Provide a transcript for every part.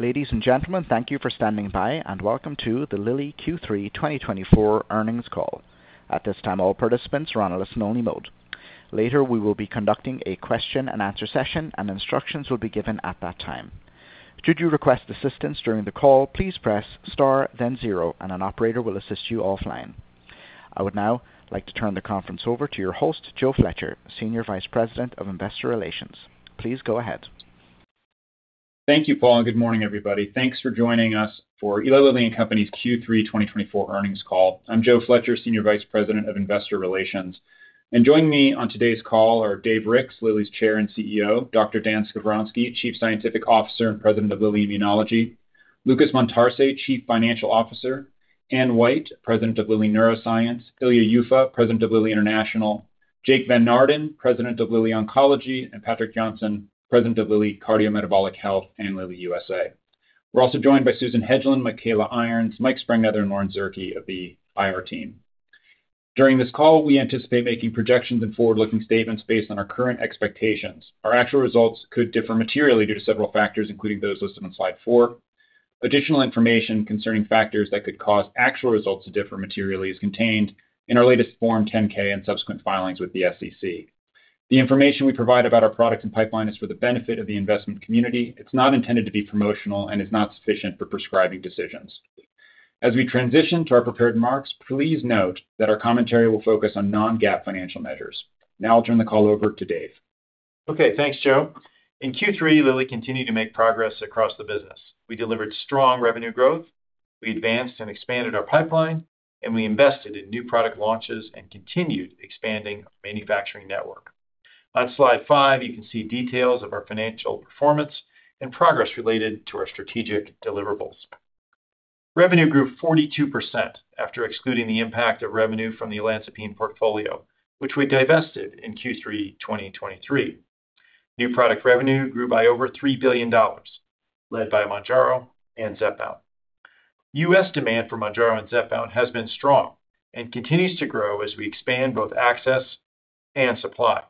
Ladies and gentlemen, thank you for standing by, and welcome to the Lilly Q3 2024 Earnings Call. At this time, all participants are on a listen-only mode. Later, we will be conducting a question-and-answer session, and instructions will be given at that time. Should you request assistance during the call, please press star, then zero, and an operator will assist you offline. I would now like to turn the conference over to your host, Joe Fletcher, Senior Vice President of Investor Relations. Please go ahead. Thank you, Paul, and good morning, everybody. Thanks for joining us for Eli Lilly and Company's Q3 2024 Earnings Call. I'm Joe Fletcher, Senior Vice President of Investor Relations. And joining me on today's call are Dave Ricks, Lilly's Chair and CEO; Dr. Dan Skovronsky, Chief Scientific Officer and President of Lilly Immunology; Lucas Montarce, Chief Financial Officer; Anne White, President of Lilly Neuroscience; Ilya Yuffa, President of Lilly International; Jake Van Naarden, President of Lilly Oncology; and Patrik Jonsson, President of Lilly Cardiometabolic Health and Lilly USA. We're also joined by Susan Hedgeland, Michaela Irons, Mike Sprengnether, and Lauren Zierke of the IR team. During this call, we anticipate making projections and forward-looking statements based on our current expectations. Our actual results could differ materially due to several factors, including those listed on slide four. Additional information concerning factors that could cause actual results to differ materially is contained in our latest Form 10-K and subsequent filings with the SEC. The information we provide about our product and pipeline is for the benefit of the investment community. It's not intended to be promotional and is not sufficient for prescribing decisions. As we transition to our prepared remarks, please note that our commentary will focus on non-GAAP financial measures. Now I'll turn the call over to Dave. Okay, thanks, Joe. In Q3, Lilly continued to make progress across the business. We delivered strong revenue growth, we advanced and expanded our pipeline, and we invested in new product launches and continued expanding our manufacturing network. On slide five, you can see details of our financial performance and progress related to our strategic deliverables. Revenue grew 42% after excluding the impact of revenue from the olanzapine portfolio, which we divested in Q3 2023. New product revenue grew by over $3 billion, led by Mounjaro and Zepbound. U.S. demand for Mounjaro and Zepbound has been strong and continues to grow as we expand both access and supply.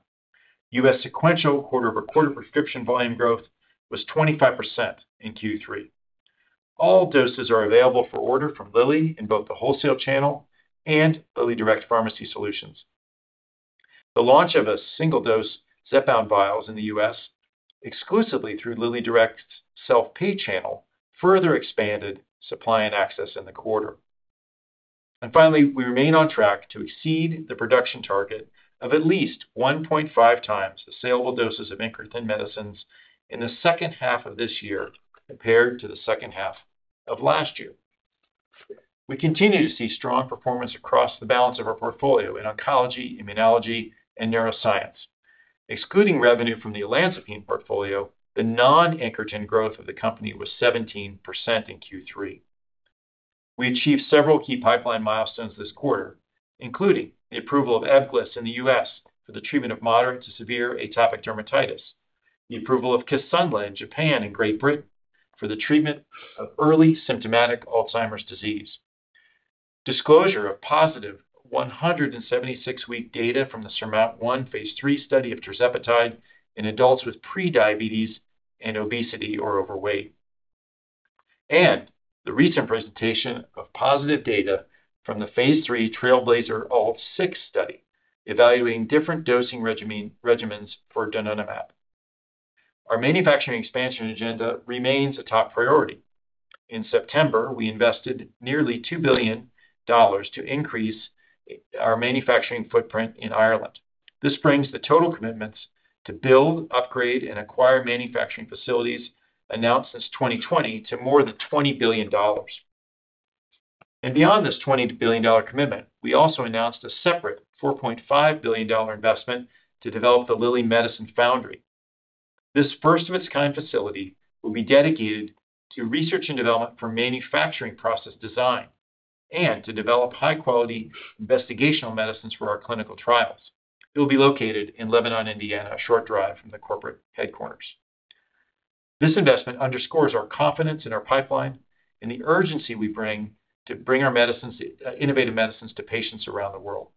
U.S. sequential quarter-over-quarter prescription volume growth was 25% in Q3. All doses are available for order from Lilly in both the wholesale channel and LillyDirect Pharmacy Solutions. The launch of a single-dose Zepbound vials in the U.S., exclusively through LillyDirect's self-pay channel, further expanded supply and access in the quarter. And finally, we remain on track to exceed the production target of at least 1.5 times the saleable doses of incretin medicines in the second half of this year compared to the second half of last year. We continue to see strong performance across the balance of our portfolio in oncology, immunology, and neuroscience. Excluding revenue from the incretin portfolio, the non-incretin growth of the company was 17% in Q3. We achieved several key pipeline milestones this quarter, including the approval of Ebglyss in the U.S. for the treatment of moderate to severe atopic dermatitis, the approval of Kisunla in Japan and Great Britain for the treatment of early symptomatic Alzheimer's disease, disclosure of positive 176-week data from the SURMOUNT-1 phase III study of tirzepatide in adults with prediabetes and obesity or overweight, and the recent presentation of positive data from the phase III TRAILBLAZER-ALZ 6 study evaluating different dosing regimens for donanemab. Our manufacturing expansion agenda remains a top priority. In September, we invested nearly $2 billion to increase our manufacturing footprint in Ireland. This brings the total commitments to build, upgrade, and acquire manufacturing facilities announced since 2020 to more than $20 billion, and beyond this $20 billion commitment, we also announced a separate $4.5 billion investment to develop the Lilly Medicine Foundry. This first-of-its-kind facility will be dedicated to research and development for manufacturing process design and to develop high-quality investigational medicines for our clinical trials. It will be located in Lebanon, Indiana, a short drive from the corporate headquarters. This investment underscores our confidence in our pipeline and the urgency we bring to bring our innovative medicines to patients around the world.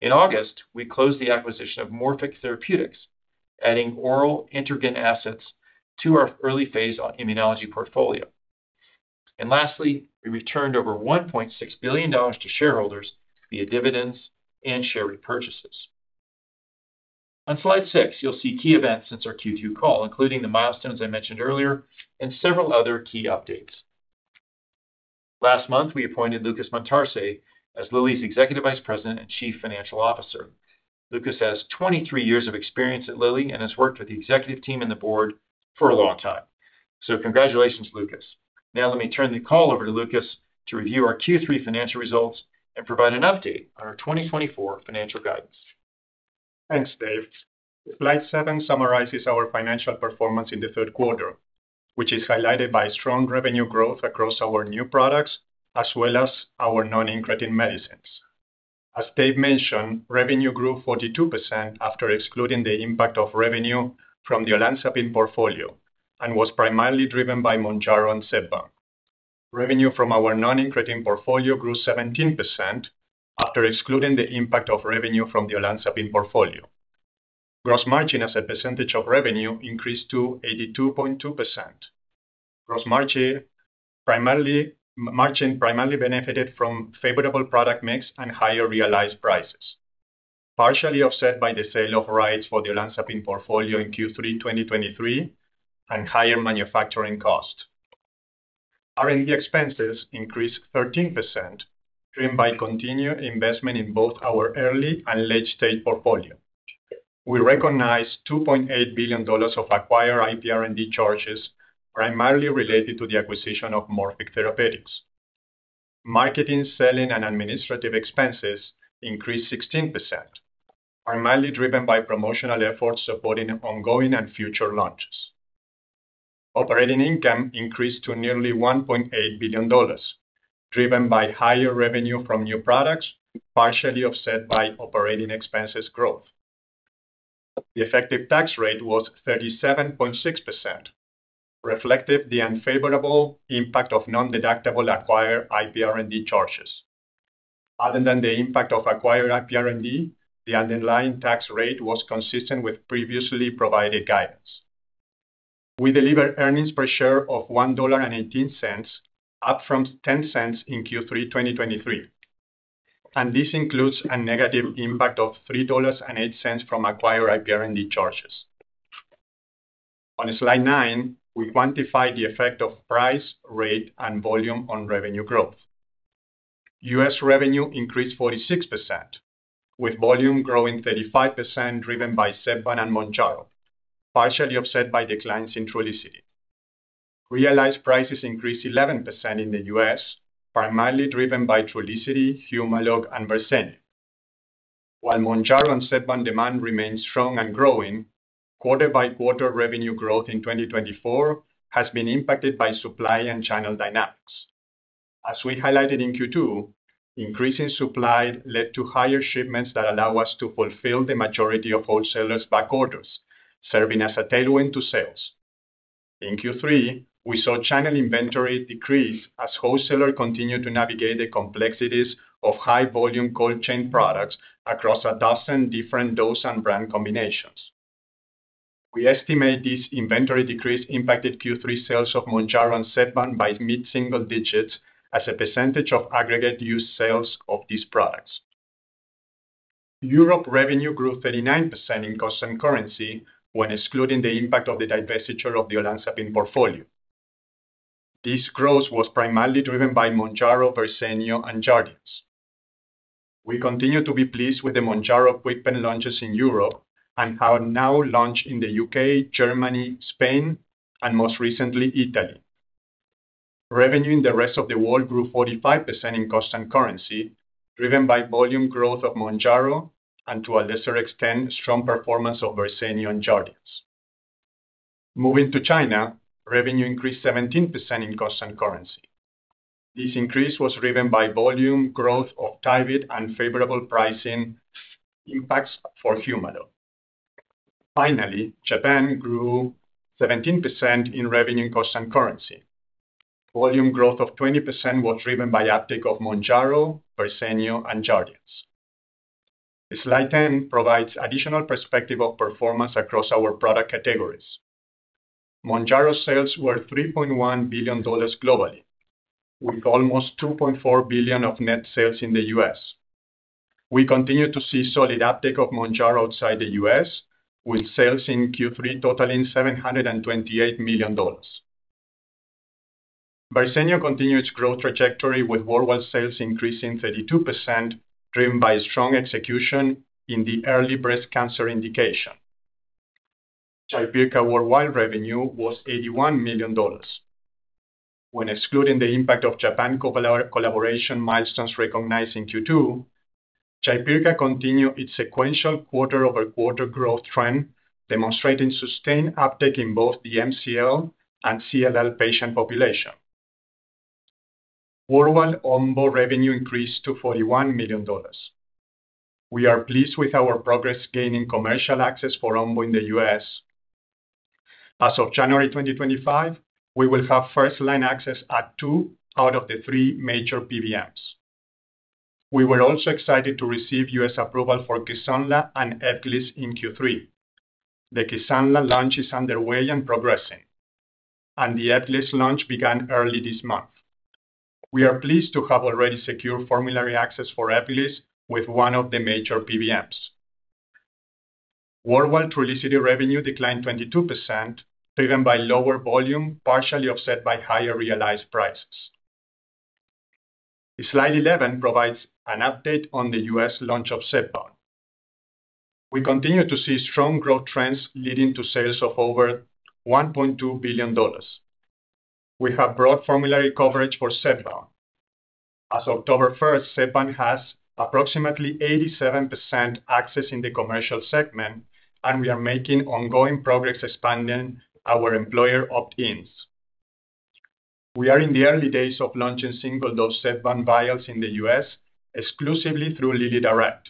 In August, we closed the acquisition of Morphic Therapeutics, adding oral integrin assets to our early-phase immunology portfolio. Lastly, we returned over $1.6 billion to shareholders via dividends and share repurchases. On slide six, you'll see key events since our Q2 call, including the milestones I mentioned earlier and several other key updates. Last month, we appointed Lucas Montarce as Lilly's Executive Vice President and Chief Financial Officer. Lucas has 23 years of experience at Lilly and has worked with the executive team and the board for a long time. So congratulations, Lucas. Now let me turn the call over to Lucas to review our Q3 financial results and provide an update on our 2024 financial guidance. Thanks, Dave. Slide seven summarizes our financial performance in the third quarter, which is highlighted by strong revenue growth across our new products as well as our non-incretin medicines. As Dave mentioned, revenue grew 42% after excluding the impact of revenue from the olanzapine portfolio and was primarily driven by Mounjaro and Zepbound. Revenue from our non-incretin portfolio grew 17% after excluding the impact of revenue from the olanzapine portfolio. Gross margin as a percentage of revenue increased to 82.2%. Gross margin primarily benefited from favorable product mix and higher realized prices, partially offset by the sale of rights for the olanzapine portfolio in Q3 2023 and higher manufacturing cost. R&D expenses increased 13% driven by continued investment in both our early and late-stage portfolio. We recognized $2.8 billion of acquired IP R&D charges primarily related to the acquisition of Morphic Therapeutics. Marketing, selling, and administrative expenses increased 16%, primarily driven by promotional efforts supporting ongoing and future launches. Operating income increased to nearly $1.8 billion, driven by higher revenue from new products, partially offset by operating expenses growth. The effective tax rate was 37.6%, reflective of the unfavorable impact of non-deductible acquired IP R&D charges. Other than the impact of acquired IP R&D, the underlying tax rate was consistent with previously provided guidance. We delivered earnings per share of $1.18, up from $0.10 in Q3 2023, and this includes a negative impact of $3.08 from acquired IP R&D charges. On slide nine, we quantified the effect of price, rate, and volume on revenue growth. U.S. revenue increased 46%, with volume growing 35% driven by Zepbound and Mounjaro, partially offset by declines in Trulicity. Realized prices increased 11% in the U.S., primarily driven by Trulicity, Humalog, and Verzenio. While Mounjaro and Zepbound demand remains strong and growing, quarter-by-quarter revenue growth in 2024 has been impacted by supply and channel dynamics. As we highlighted in Q2, increasing supply led to higher shipments that allow us to fulfill the majority of wholesalers' back orders, serving as a tailwind to sales. In Q3, we saw channel inventory decrease as wholesalers continued to navigate the complexities of high-volume cold chain products across a dozen different dose and brand combinations. We estimate this inventory decrease impacted Q3 sales of Mounjaro and Zepbound by mid-single digits as a percentage of aggregate used sales of these products. Europe revenue grew 39% in constant currency when excluding the impact of the divestiture of the lixisenatide portfolio. This growth was primarily driven by Mounjaro, Verzenio, and Jardiance. We continue to be pleased with the Mounjaro KwikPen launches in Europe and have now launched in the U.K., Germany, Spain, and most recently, Italy. Revenue in the rest of the world grew 45% in constant currency, driven by volume growth of Mounjaro and, to a lesser extent, strong performance of Verzenio and Jardiance. Moving to China, revenue increased 17% in constant currency. This increase was driven by volume growth of Tyvyt, and favorable pricing impacts for Humalog. Finally, Japan revenue grew 17% in constant currency. Volume growth of 20% was driven by uptake of Mounjaro, Verzenio, and Jardiance. Slide 10 provides additional perspective of performance across our product categories. Mounjaro sales were $3.1 billion globally, with almost $2.4 billion of net sales in the U.S. We continue to see solid uptake of Mounjaro outside the U.S., with sales in Q3 totaling $728 million. Verzenio continued its growth trajectory with worldwide sales increasing 32%, driven by strong execution in the early breast cancer indication. Jaypirca worldwide revenue was $81 million. When excluding the impact of Japan collaboration milestones recognized in Q2, Jaypirca continued its sequential quarter-over-quarter growth trend, demonstrating sustained uptake in both the MCL and CLL patient population. Worldwide Omvoh revenue increased to $41 million. We are pleased with our progress gaining commercial access for Omvoh in the U.S. As of January 2025, we will have first-line access at two out of the three major PBMs. We were also excited to receive U.S. approval for Kisunla and Ebglyss in Q3. The Kisunla launch is underway and progressing, and the Ebglyss launch began early this month. We are pleased to have already secured formulary access for Ebglyss with one of the major PBMs. Worldwide Trulicity revenue declined 22%, driven by lower volume, partially offset by higher realized prices. Slide 11 provides an update on the U.S. launch of Zepbound. We continue to see strong growth trends leading to sales of over $1.2 billion. We have broad formulary coverage for Zepbound. As of October 1st, Zepbound has approximately 87% access in the commercial segment, and we are making ongoing progress expanding our employer opt-ins. We are in the early days of launching single-dose Zepbound vials in the U.S. exclusively through LillyDirect.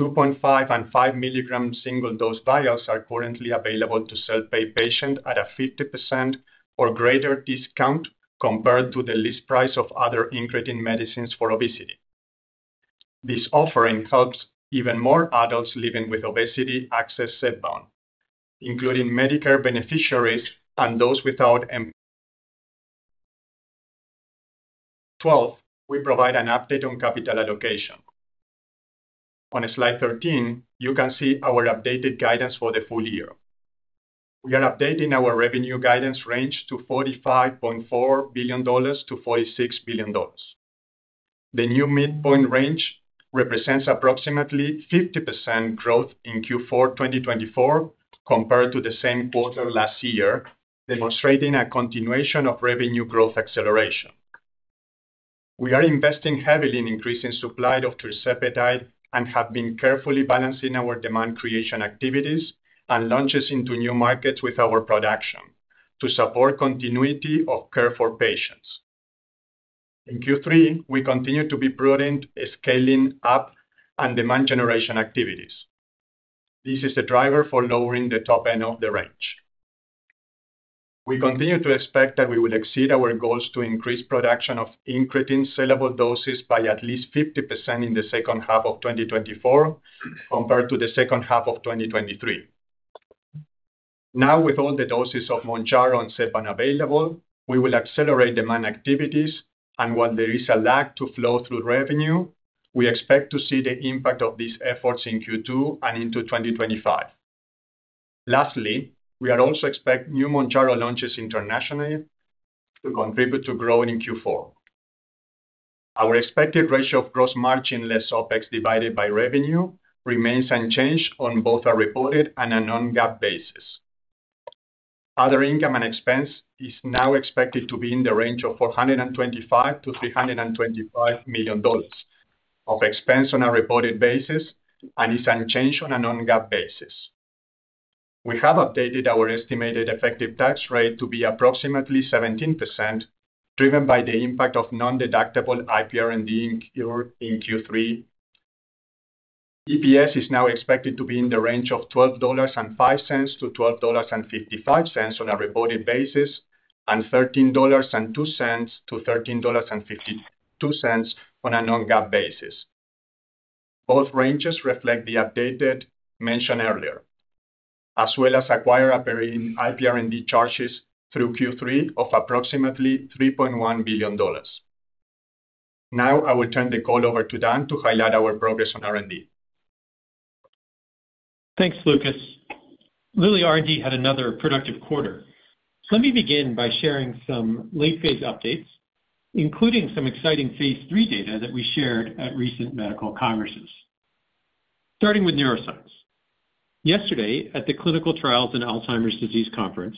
2.5 and 5 milligram single-dose vials are currently available to self-pay patients at a 50% or greater discount compared to the list price of other incretin medicines for obesity. This offering helps even more adults living with obesity access Zepbound, including Medicare beneficiaries and those without. Slide 12, we provide an update on capital allocation. On slide 13, you can see our updated guidance for the full year. We are updating our revenue guidance range to $45.4 billion-$46 billion. The new midpoint range represents approximately 50% growth in Q4 2024 compared to the same quarter last year, demonstrating a continuation of revenue growth acceleration. We are investing heavily in increasing supply of Tirzepatide and have been carefully balancing our demand creation activities and launches into new markets with our production to support continuity of care for patients. In Q3, we continue to be prudent in scaling up and demand generation activities. This is the driver for lowering the top end of the range. We continue to expect that we will exceed our goals to increase production of incretin sellable doses by at least 50% in the second half of 2024 compared to the second half of 2023. Now, with all the doses of Mounjaro and Zepbound available, we will accelerate demand activities, and while there is a lag to flow through revenue, we expect to see the impact of these efforts in Q2 and into 2025. Lastly, we are also expecting new Mounjaro launches internationally to contribute to growth in Q4. Our expected ratio of gross margin less OpEx divided by revenue remains unchanged on both a reported and a non-GAAP basis. Other income and expense is now expected to be in the range of $425-$325 million of expense on a reported basis and is unchanged on a non-GAAP basis. We have updated our estimated effective tax rate to be approximately 17%, driven by the impact of non-deductible IP R&D increase in Q3. EPS is now expected to be in the range of $12.05 to $12.55 on a reported basis and $13.02 to $13.52 on a Non-GAAP basis. Both ranges reflect the update mentioned earlier, as well as acquired IP R&D charges through Q3 of approximately $3.1 billion. Now, I will turn the call over to Dan to highlight our progress on R&D. Thanks, Lucas. Lilly R&D had another productive quarter. Let me begin by sharing some late-phase updates, including some exciting phase III data that we shared at recent medical congresses. Starting with neuroscience. Yesterday, at the Clinical Trials in Alzheimer's Disease Conference,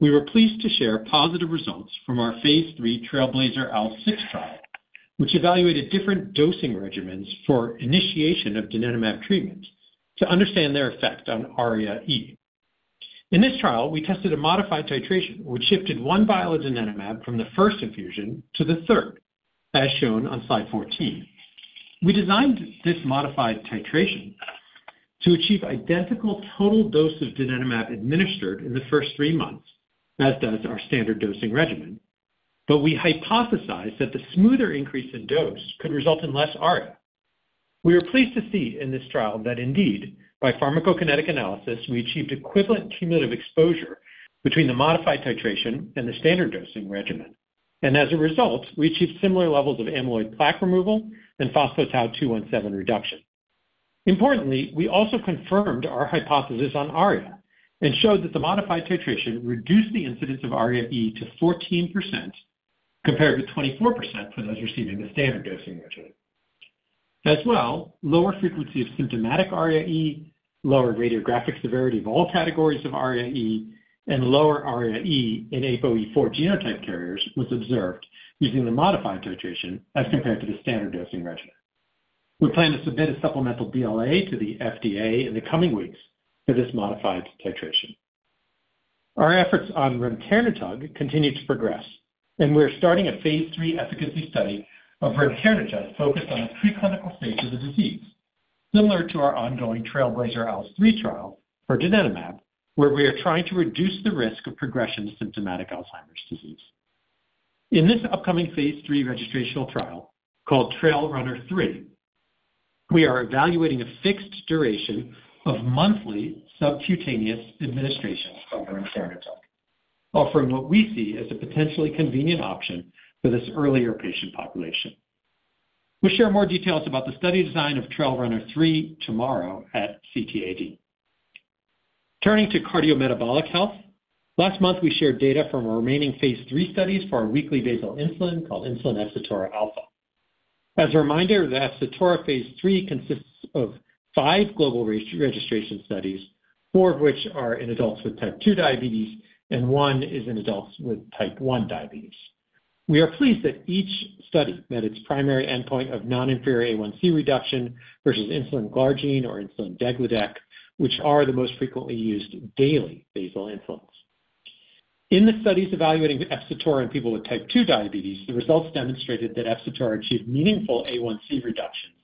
we were pleased to share positive results from our phase III TRAILBLAZER-ALZ 6 trial, which evaluated different dosing regimens for initiation of donanemab treatment to understand their effect on ARIA-E. In this trial, we tested a modified titration, which shifted one vial of donanemab from the first infusion to the third, as shown on slide 14. We designed this modified titration to achieve identical total dose of donanemab administered in the first three months, as does our standard dosing regimen, but we hypothesized that the smoother increase in dose could result in less ARIA. We were pleased to see in this trial that indeed, by pharmacokinetic analysis, we achieved equivalent cumulative exposure between the modified titration and the standard dosing regimen, and as a result, we achieved similar levels of amyloid plaque removal and phospho-tau 217 reduction. Importantly, we also confirmed our hypothesis on ARIA and showed that the modified titration reduced the incidence of ARIA-E to 14% compared to 24% for those receiving the standard dosing regimen. As well, lower frequency of symptomatic ARIA-E, lower radiographic severity of all categories of ARIA-E, and lower ARIA-E in APOE4 genotype carriers was observed using the modified titration as compared to the standard dosing regimen. We plan to submit a supplemental sBLA to the FDA in the coming weeks for this modified titration. Our efforts on Remternetug continue to progress, and we're starting a phase III efficacy study of Remternetug focused on the preclinical stage of the disease, similar to our ongoing Trailblazer-Alz 3 trial for donanemab, where we are trying to reduce the risk of progression to symptomatic Alzheimer's disease. In this upcoming phase III registration trial called TrailRunner 3, we are evaluating a fixed duration of monthly subcutaneous administration of Remternetug, offering what we see as a potentially convenient option for this earlier patient population. We'll share more details about the study design of TrailRunner 3 tomorrow at CTAD. Turning to cardiometabolic health, last month we shared data from our remaining phase III studies for our weekly basal insulin called Efsitora alfa. As a reminder, the Efsitora phase III consists of five global registration studies, four of which are in adults with type 2 diabetes, and one is in adults with type 1 diabetes. We are pleased that each study met its primary endpoint of non-inferior A1C reduction versus insulin glargine or insulin degludec, which are the most frequently used daily basal insulins. In the studies evaluating Efsitora in people with type 2 diabetes, the results demonstrated that Efsitora achieved meaningful A1C reductions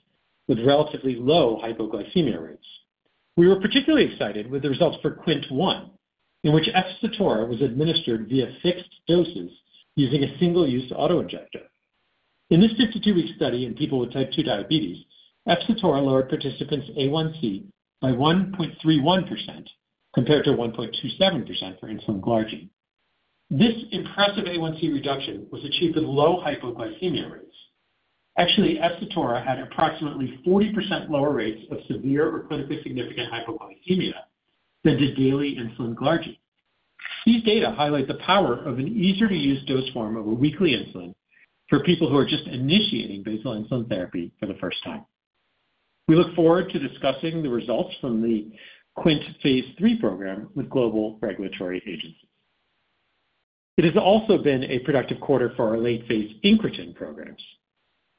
with relatively low hypoglycemia rates. We were particularly excited with the results for QWINT-1, in which Efsitora was administered via fixed doses using a single-use autoinjector. In this 52-week study in people with type 2 diabetes, Efsitora lowered participants' A1C by 1.31% compared to 1.27% for insulin glargine. This impressive A1C reduction was achieved with low hypoglycemia rates. Actually, Efsitora had approximately 40% lower rates of severe or clinically significant hypoglycemia than did daily insulin glargine. These data highlight the power of an easier-to-use dose form of a weekly insulin for people who are just initiating basal insulin therapy for the first time. We look forward to discussing the results from the QWINT phase III program with global regulatory agencies. It has also been a productive quarter for our late-phase incretin programs.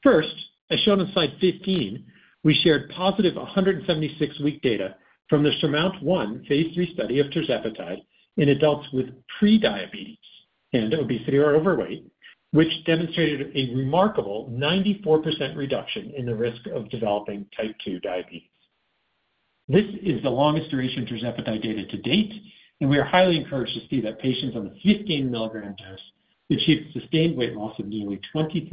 First, as shown on slide 15, we shared positive 176-week data from the SURMOUNT-1 phase III study of tirzepatide in adults with prediabetes and obesity or overweight, which demonstrated a remarkable 94% reduction in the risk of developing type 2 diabetes. This is the longest duration of Tirzepatide data to date, and we are highly encouraged to see that patients on the 15-milligram dose achieved sustained weight loss of nearly 23%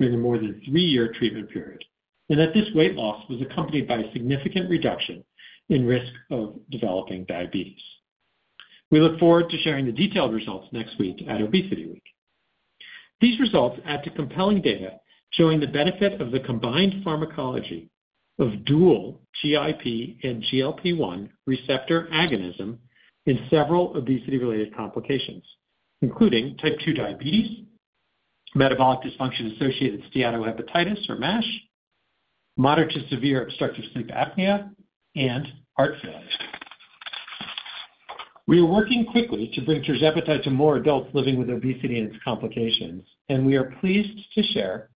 during a more than three-year treatment period, and that this weight loss was accompanied by a significant reduction in risk of developing diabetes. We look forward to sharing the detailed results next week at Obesity Week. These results add to compelling data showing the benefit of the combined pharmacology of dual GIP and GLP-1 receptor agonism in several obesity-related complications, including type 2 diabetes, metabolic dysfunction-associated steatohepatitis or MASH, moderate to severe obstructive sleep apnea, and heart failure. We are working quickly to bring Tirzepatide to more adults living with obesity and its complications, and we are pleased to share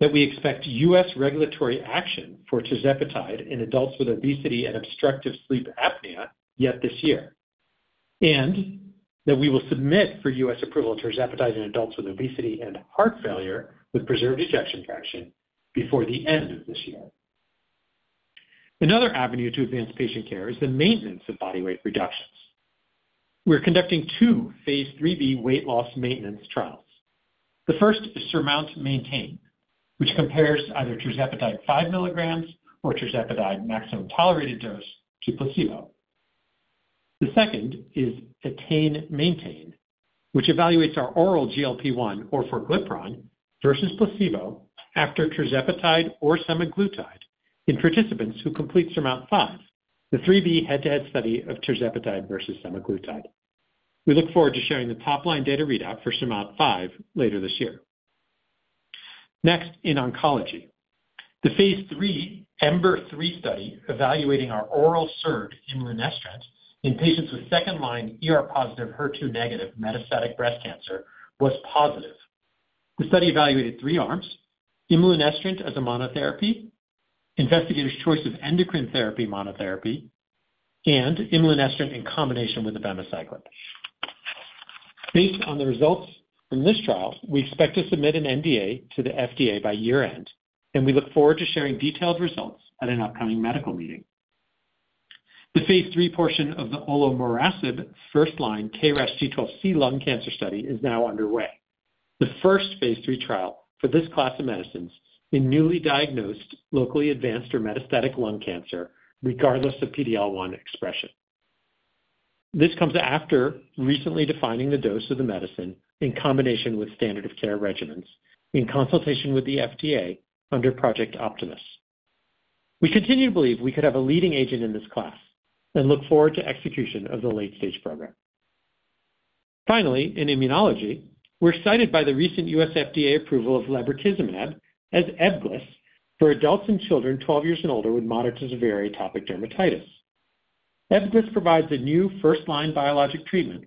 that we expect U.S. regulatory action for tirzepatide in adults with obesity and obstructive sleep apnea yet this year, and that we will submit for U.S. approval of tirzepatide in adults with obesity and heart failure with preserved ejection fraction before the end of this year. Another avenue to advance patient care is the maintenance of body weight reductions. We're conducting two phase IIIb weight loss maintenance trials. The first is SURMOUNT Maintain, which compares either tirzepatide five milligrams or tirzepatide maximum tolerated dose to placebo. The second is a study, which evaluates our oral GLP-1 orforglipron versus placebo after tirzepatide or semaglutide in participants who complete SURMOUNT 5, the 3B head-to-head study of tirzepatide versus semaglutide. We look forward to sharing the top-line data readout for SURMOUNT 5 later this year. Next, in oncology, the phase III Ember 3 study evaluating our oral SERD imlunestrant in patients with second-line ER-positive HER2-negative metastatic breast cancer was positive. The study evaluated three arms: imlunestrant as a monotherapy, investigator's choice of endocrine therapy monotherapy, and imlunestrant in combination with abemaciclib. Based on the results from this trial, we expect to submit an NDA to the FDA by year-end, and we look forward to sharing detailed results at an upcoming medical meeting. The phase III portion of the olomorasib first-line KRAS G12C lung cancer study is now underway, the first phase III trial for this class of medicines in newly diagnosed locally advanced or metastatic lung cancer, regardless of PD-L1 expression. This comes after recently defining the dose of the medicine in combination with standard of care regimens in consultation with the FDA under Project Optimus. We continue to believe we could have a leading agent in this class and look forward to execution of the late-stage program. Finally, in immunology, we're excited by the recent U.S. FDA approval of lebrikizumab as Ebglyss for adults and children 12 years and older with moderate to severe atopic dermatitis. Ebglyss provides a new first-line biologic treatment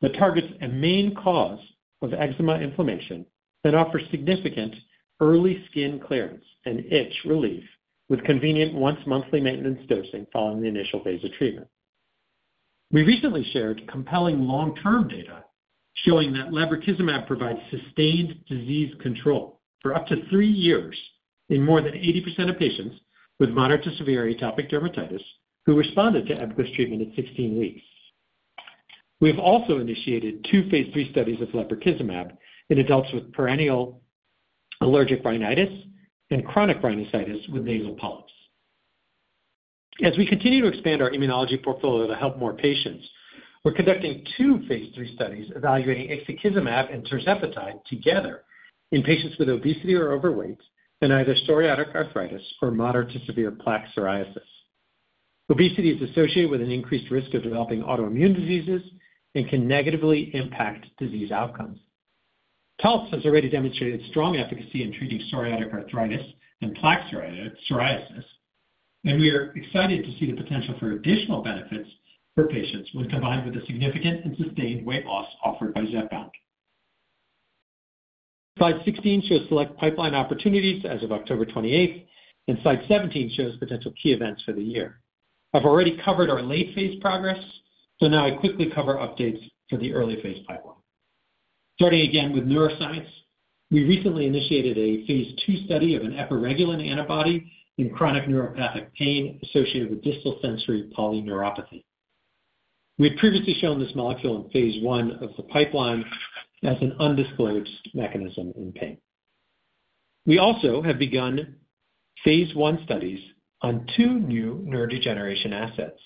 that targets a main cause of eczema inflammation and offers significant early skin clearance and itch relief with convenient once-monthly maintenance dosing following the initial phase of treatment. We recently shared compelling long-term data showing that lebrikizumab provides sustained disease control for up to three years in more than 80% of patients with moderate to severe atopic dermatitis who responded to Ebglyss treatment at 16 weeks. We have also initiated two phase III studies of lebrikizumab in adults with perennial allergic rhinitis and chronic rhinosinusitis with nasal polyps. As we continue to expand our immunology portfolio to help more patients, we're conducting two phase III studies evaluating ixekizumab and tirzepatide together in patients with obesity or overweight and either psoriatic arthritis or moderate to severe plaque psoriasis. Obesity is associated with an increased risk of developing autoimmune diseases and can negatively impact disease outcomes. Taltz has already demonstrated strong efficacy in treating psoriatic arthritis and plaque psoriasis, and we are excited to see the potential for additional benefits for patients when combined with the significant and sustained weight loss offered by Zepbound. Slide 16 shows select pipeline opportunities as of October 28, and slide 17 shows potential key events for the year. I've already covered our late-phase progress, so now I quickly cover updates for the early-phase pipeline. Starting again with neuroscience, we recently initiated a phase II study of an epiregulin antibody in chronic neuropathic pain associated with distal sensory polyneuropathy. We had previously shown this molecule in phase I of the pipeline as an undisclosed mechanism in pain. We also have begun phase I studies on two new neurodegeneration assets,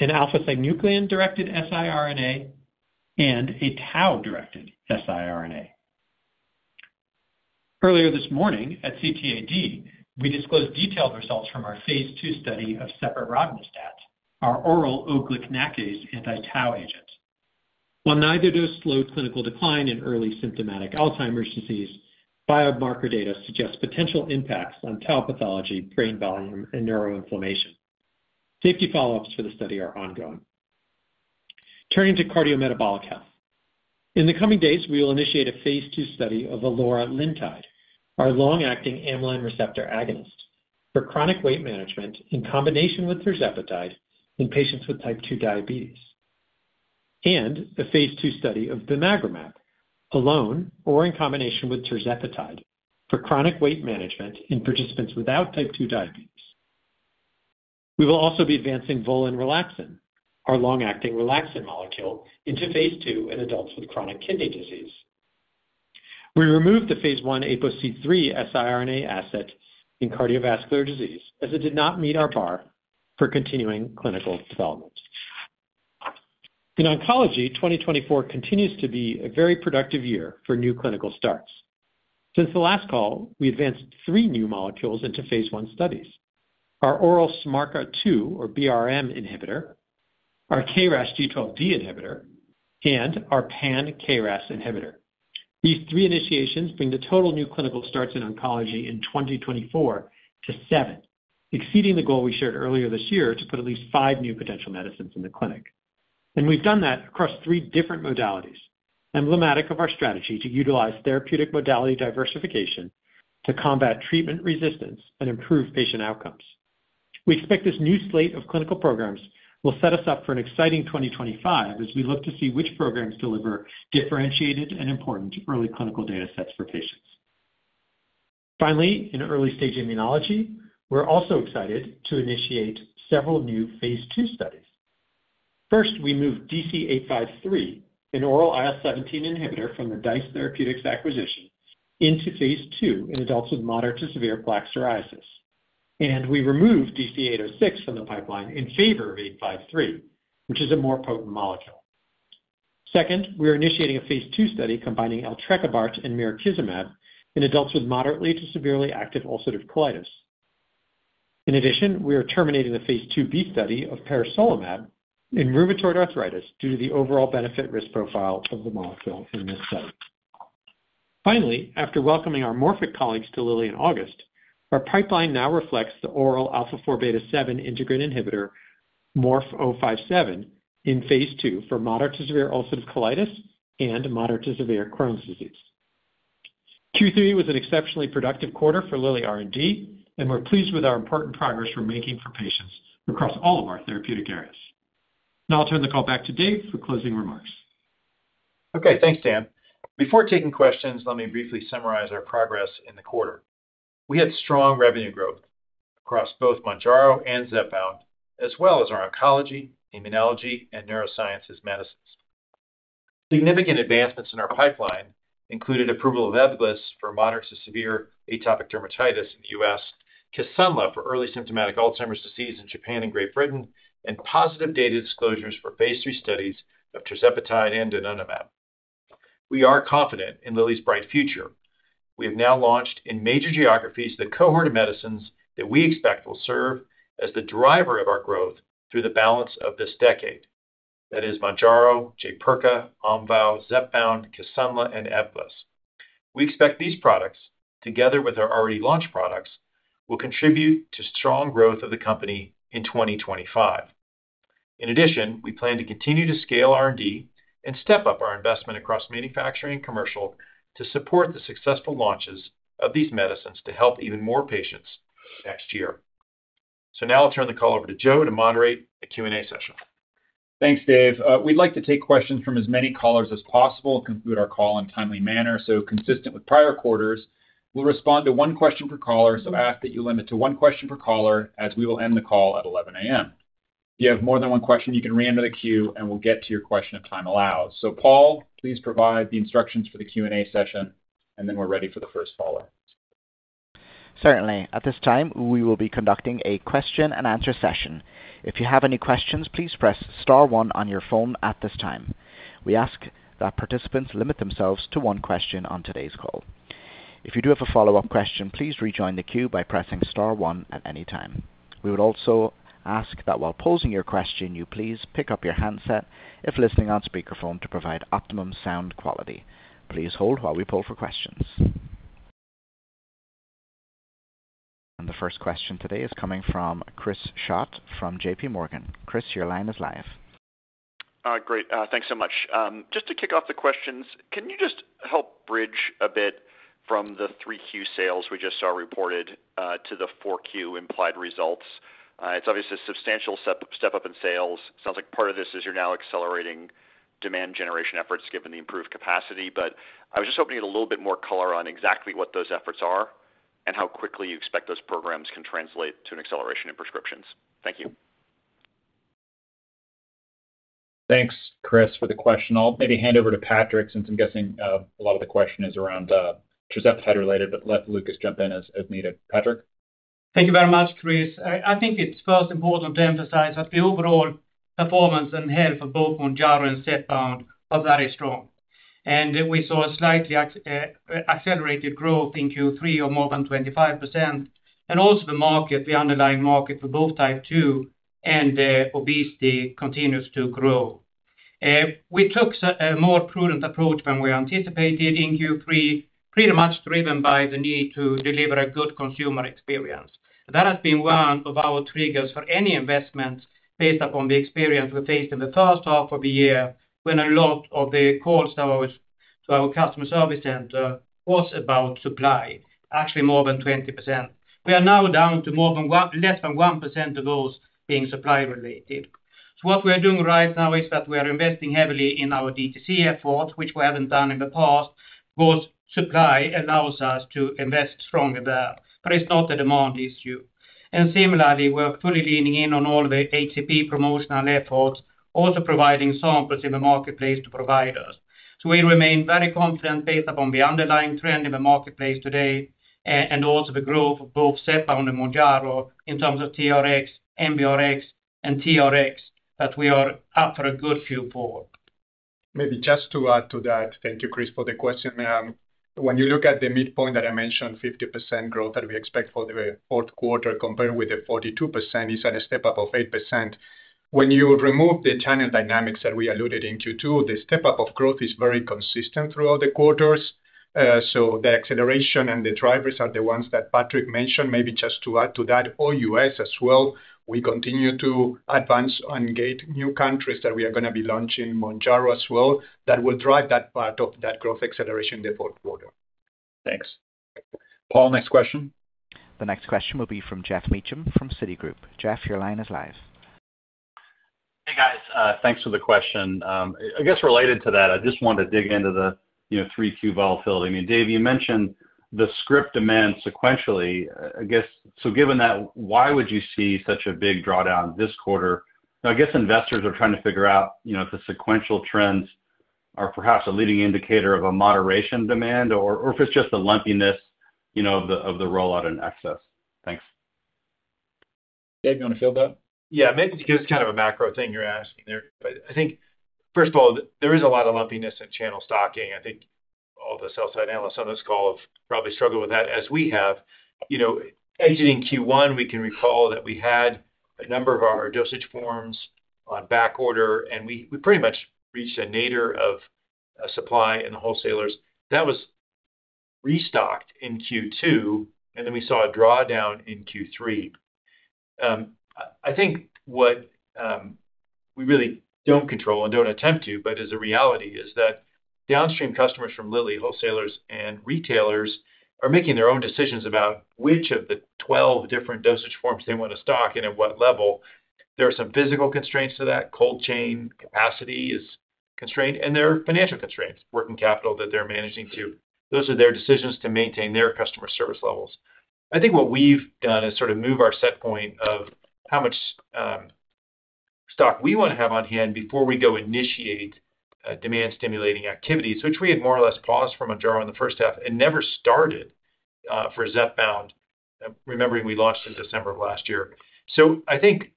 an alpha-synuclein-directed siRNA and a tau-directed siRNA. Earlier this morning at CTAD, we disclosed detailed results from our phase II study of ceperognastat, our oral O-GlcNAcase anti-tau agent. While neither dose slowed clinical decline in early symptomatic Alzheimer's disease, biomarker data suggest potential impacts on tau pathology, brain volume, and neuroinflammation. Safety follow-ups for the study are ongoing. Turning to cardiometabolic health, in the coming days, we will initiate a phase II study of Valoralintide, our long-acting amylin receptor agonist, for chronic weight management in combination with tirzepatide in patients with type 2 diabetes, and a phase II study of Bimagrumab alone or in combination with tirzepatide for chronic weight management in participants without type 2 diabetes. We will also be advancing volinrelaxin, our long-acting relaxin molecule, into phase II in adults with chronic kidney disease. We removed the phase I ApoC3 siRNA asset in cardiovascular disease as it did not meet our bar for continuing clinical development. In oncology, 2024 continues to be a very productive year for new clinical starts. Since the last call, we advanced three new molecules into phase I studies: our oral SMARCA2 or BRM inhibitor, our KRAS G12D inhibitor, and our pan-KRAS inhibitor. These three initiations bring the total new clinical starts in oncology in 2024 to seven, exceeding the goal we shared earlier this year to put at least five new potential medicines in the clinic. We've done that across three different modalities, emblematic of our strategy to utilize therapeutic modality diversification to combat treatment resistance and improve patient outcomes. We expect this new slate of clinical programs will set us up for an exciting 2025 as we look to see which programs deliver differentiated and important early clinical data sets for patients. Finally, in early-stage immunology, we're also excited to initiate several new phase II studies. First, we moved DC853, an oral IL-17 inhibitor from the DICE Therapeutics acquisition, into phase II in adults with moderate to severe plaque psoriasis. We removed DC806 from the pipeline in favor of 853, which is a more potent molecule. Second, we're initiating a phase II study combining eltrekibart and mirikizumab in adults with moderately to severely active ulcerative colitis. In addition, we are terminating the phase IIb study of peresolimab in rheumatoid arthritis due to the overall benefit-risk profile of the molecule in this study. Finally, after welcoming our Morphic colleagues to Lilly in August, our pipeline now reflects the oral alpha-4 beta-7 integrin inhibitor MORF-057 in phase II for moderate to severe ulcerative colitis and moderate to severe Crohn's disease. Q3 was an exceptionally productive quarter for Lilly R&D, and we're pleased with our important progress we're making for patients across all of our therapeutic areas. Now I'll turn the call back to Dave for closing remarks. Okay, thanks, Dan. Before taking questions, let me briefly summarize our progress in the quarter. We had strong revenue growth across both Mounjaro and Zepbound, as well as our oncology, immunology, and neurosciences medicines. Significant advancements in our pipeline included approval of Ebglyss for moderate to severe atopic dermatitis in the U.S., Kisunla for early symptomatic Alzheimer's disease in Japan and Great Britain, and positive data disclosures for phase III studies of tirzepatide and donanemab. We are confident in Lilly's bright future. We have now launched in major geographies the cohort of medicines that we expect will serve as the driver of our growth through the balance of this decade. That is Mounjaro, Jaypirca, Omvoh, Zepbound, Kisunla, and Ebglyss. We expect these products, together with our already launched products, will contribute to strong growth of the company in 2025. In addition, we plan to continue to scale R&D and step up our investment across manufacturing and commercial to support the successful launches of these medicines to help even more patients next year. So now I'll turn the call over to Joe to moderate the Q&A session. Thanks, Dave. We'd like to take questions from as many callers as possible and conclude our call in a timely manner. So consistent with prior quarters, we'll respond to one question per caller. So ask that you limit to one question per caller as we will end the call at 11:00 A.M. If you have more than one question, you can re-enter the queue, and we'll get to your question if time allows. So Paul, please provide the instructions for the Q&A session, and then we're ready for the first caller. Certainly. At this time, we will be conducting a question-and-answer session. If you have any questions, please press star one on your phone at this time. We ask that participants limit themselves to one question on today's call. If you do have a follow-up question, please rejoin the queue by pressing star one at any time. We would also ask that while posing your question, you please pick up your handset if listening on speakerphone to provide optimum sound quality. Please hold while we poll for questions. And the first question today is coming from Chris Schott from J.P. Morgan. Chris, your line is live. Great. Thanks so much. Just to kick off the questions, can you just help bridge a bit from the 3Q sales we just saw reported to the 4Q implied results? It's obviously a substantial step-up in sales. Sounds like part of this is you're now accelerating demand-generation efforts given the improved capacity. But I was just hoping to get a little bit more color on exactly what those efforts are and how quickly you expect those programs can translate to an acceleration in prescriptions? Thank you. Thanks, Chris, for the question. I'll maybe hand over to Patrik, since I'm guessing a lot of the question is around Tirzepatide-related, but let Lucas jump in as needed. Patrik? Thank you very much, Chris. I think it's first important to emphasize that the overall performance and health of both Mounjaro and Zepbound are very strong. And we saw a slightly accelerated growth in Q3 of more than 25%. And also the market, the underlying market for both type 2 and obesity continues to grow. We took a more prudent approach than we anticipated in Q3, pretty much driven by the need to deliver a good consumer experience. That has been one of our triggers for any investment based upon the experience we faced in the first half of the year when a lot of the calls to our customer service center was about supply, actually more than 20%. We are now down to less than 1% of those being supply-related. So what we are doing right now is that we are investing heavily in our DTC effort, which we haven't done in the past, because supply allows us to invest stronger there. But it's not a demand issue. And similarly, we're fully leaning in on all the HCP promotional efforts, also providing samples in the marketplace to providers. So we remain very confident based upon the underlying trend in the marketplace today and also the growth of both Zepbound and Mounjaro in terms of TRx, NRx, and TRx that we are after a good Q4 for. Maybe just to add to that, thank you, Chris, for the question. When you look at the midpoint that I mentioned, 50% growth that we expect for the fourth quarter compared with the 42% is at a step-up of 8%. When you remove the channel dynamics that we alluded to in Q2, the step-up of growth is very consistent throughout the quarters. So the acceleration and the drivers are the ones that Patrik mentioned. Maybe just to add to that, OUS as well, we continue to advance and engage new countries that we are going to be launching Mounjaro as well that will drive that part of that growth acceleration in the fourth quarter. Thanks. Paul, next question. The next question will be from Geoff Meacham from Citigroup. Jeff, your line is live. Hey, guys. Thanks for the question. I guess related to that, I just want to dig into the 3Q volatility. I mean, Dave, you mentioned the script demand sequentially. I guess, so given that, why would you see such a big drawdown this quarter? I guess investors are trying to figure out if the sequential trends are perhaps a leading indicator of a moderation in demand or if it's just the lumpiness of the rollout and excess. Thanks. Dave, you want to fill that? Yeah, maybe because it's kind of a macro thing you're asking there. I think, first of all, there is a lot of lumpiness in channel stocking. I think all the sell-side analysts on this call have probably struggled with that as we have. Entering Q1, we can recall that we had a number of our dosage forms on back order, and we pretty much reached a nadir of supply in the wholesalers. That was restocked in Q2, and then we saw a drawdown in Q3. I think what we really don't control and don't attempt to, but is a reality, is that downstream customers from Lilly, wholesalers, and retailers are making their own decisions about which of the 12 different dosage forms they want to stock and at what level. There are some physical constraints to that. Cold chain capacity is constrained, and there are financial constraints, working capital that they're managing too. Those are their decisions to maintain their customer service levels. I think what we've done is sort of move our setpoint of how much stock we want to have on hand before we go initiate demand-stimulating activities, which we had more or less paused from Mounjaro in the first half and never started for Zepbound, remembering we launched in December of last year. So I think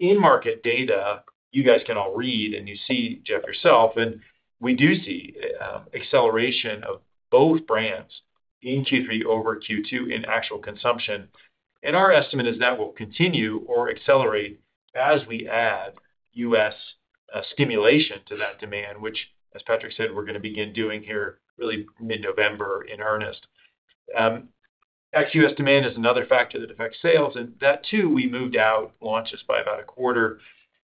in market data, you guys can all read and you see, Jeff, yourself, and we do see acceleration of both brands in Q3 over Q2 in actual consumption. And our estimate is that will continue or accelerate as we add U.S. stimulation to that demand, which, as Patrik said, we're going to begin doing here really mid-November in earnest. XUS demand is another factor that affects sales, and that too, we moved out launches by about a quarter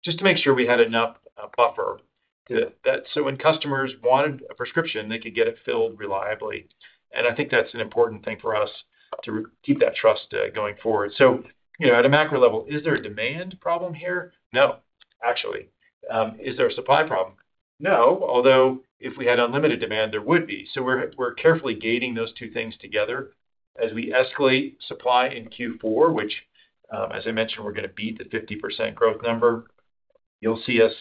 just to make sure we had enough buffer so when customers wanted a prescription, they could get it filled reliably. And I think that's an important thing for us to keep that trust going forward. So at a macro level, is there a demand problem here? No, actually. Is there a supply problem? No. Although if we had unlimited demand, there would be. So we're carefully gating those two things together as we escalate supply in Q4, which, as I mentioned, we're going to beat the 50% growth number. You'll see us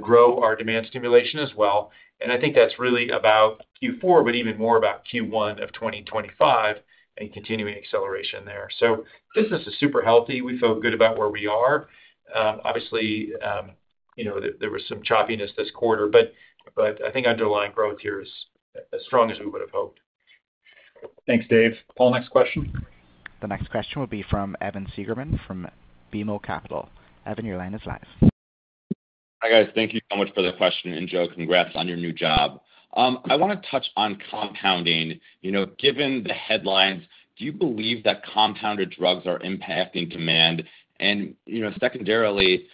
grow our demand stimulation as well. And I think that's really about Q4, but even more about Q1 of 2025 and continuing acceleration there. So business is super healthy. We feel good about where we are. Obviously, there was some choppiness this quarter, but I think underlying growth here is as strong as we would have hoped. Thanks, Dave. Paul, next question. The next question will be from Evan Seigerman from BMO Capital Markets. Evan, your line is live. Hi, guys. Thank you so much for the question. And Joe, congrats on your new job. I want to touch on compounding. Given the headlines, do you believe that compounded drugs are impacting demand? Secondarily,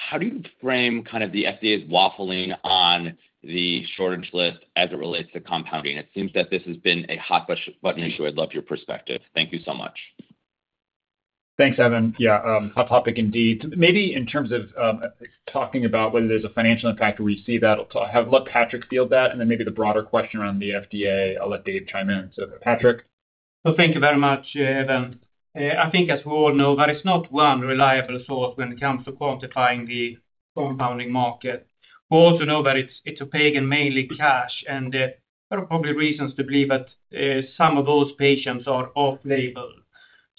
how do you frame kind of the FDA's waffling on the shortage list as it relates to compounding? It seems that this has been a hot button issue. I'd love your perspective. Thank you so much. Thanks, Evan. Yeah, hot topic indeed. Maybe in terms of talking about whether there's a financial impact, we see that. I'll let Patrik field that. And then maybe the broader question around the FDA, I'll let Dave chime in. Patrik. Thank you very much, Evan. I think, as we all know, there is not one reliable source when it comes to quantifying the compounding market. We also know that it's opaque and mainly cash, and there are probably reasons to believe that some of those patients are off-label.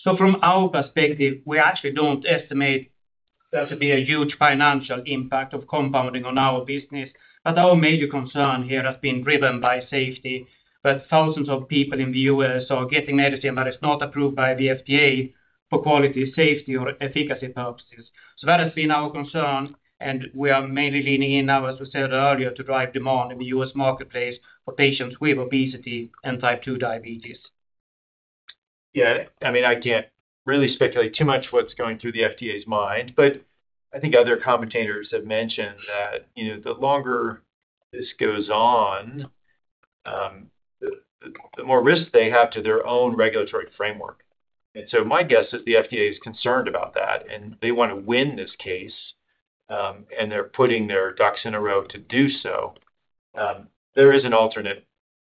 From our perspective, we actually don't estimate there to be a huge financial impact of compounding on our business. But our major concern here has been driven by safety. But thousands of people in the U.S. are getting medicine that is not approved by the FDA for quality safety or efficacy purposes. So that has been our concern. And we are mainly leaning in now, as we said earlier, to drive demand in the U.S. marketplace for patients with obesity and type 2 diabetes. Yeah, I mean, I can't really speculate too much what's going through the FDA's mind, but I think other commentators have mentioned that the longer this goes on, the more risk they have to their own regulatory framework. And so my guess is the FDA is concerned about that, and they want to win this case, and they're putting their ducks in a row to do so. There is an alternate,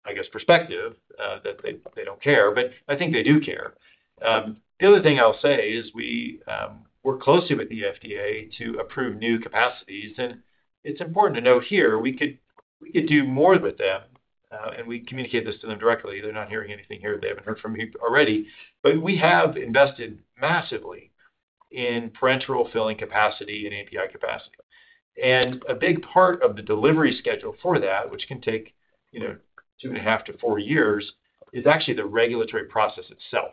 I guess, perspective that they don't care, but I think they do care. The other thing I'll say is we work closely with the FDA to approve new capacities, and it's important to note here, we could do more with them, and we communicate this to them directly. They're not hearing anything here. They haven't heard from me already, but we have invested massively in parenteral filling capacity and API capacity, and a big part of the delivery schedule for that, which can take two and a half to four years, is actually the regulatory process itself,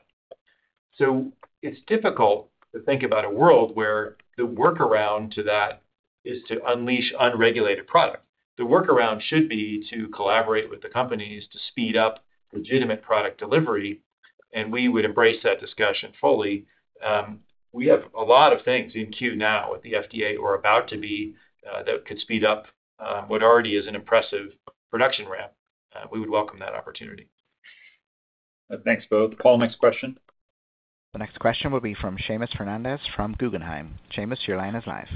so it's difficult to think about a world where the workaround to that is to unleash unregulated product. The workaround should be to collaborate with the companies to speed up legitimate product delivery, and we would embrace that discussion fully. We have a lot of things in queue now at the FDA or about to be that could speed up what already is an impressive production ramp. We would welcome that opportunity. Thanks, both. Paul, next question. The next question will be from Seamus Fernandez from Guggenheim. Seamus, your line is live.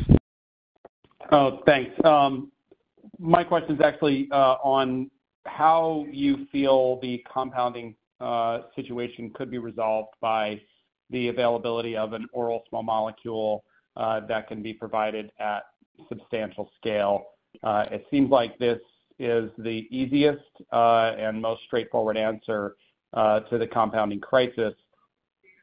Oh, thanks. My question is actually on how you feel the compounding situation could be resolved by the availability of an oral small molecule that can be provided at substantial scale. It seems like this is the easiest and most straightforward answer to the compounding crisis.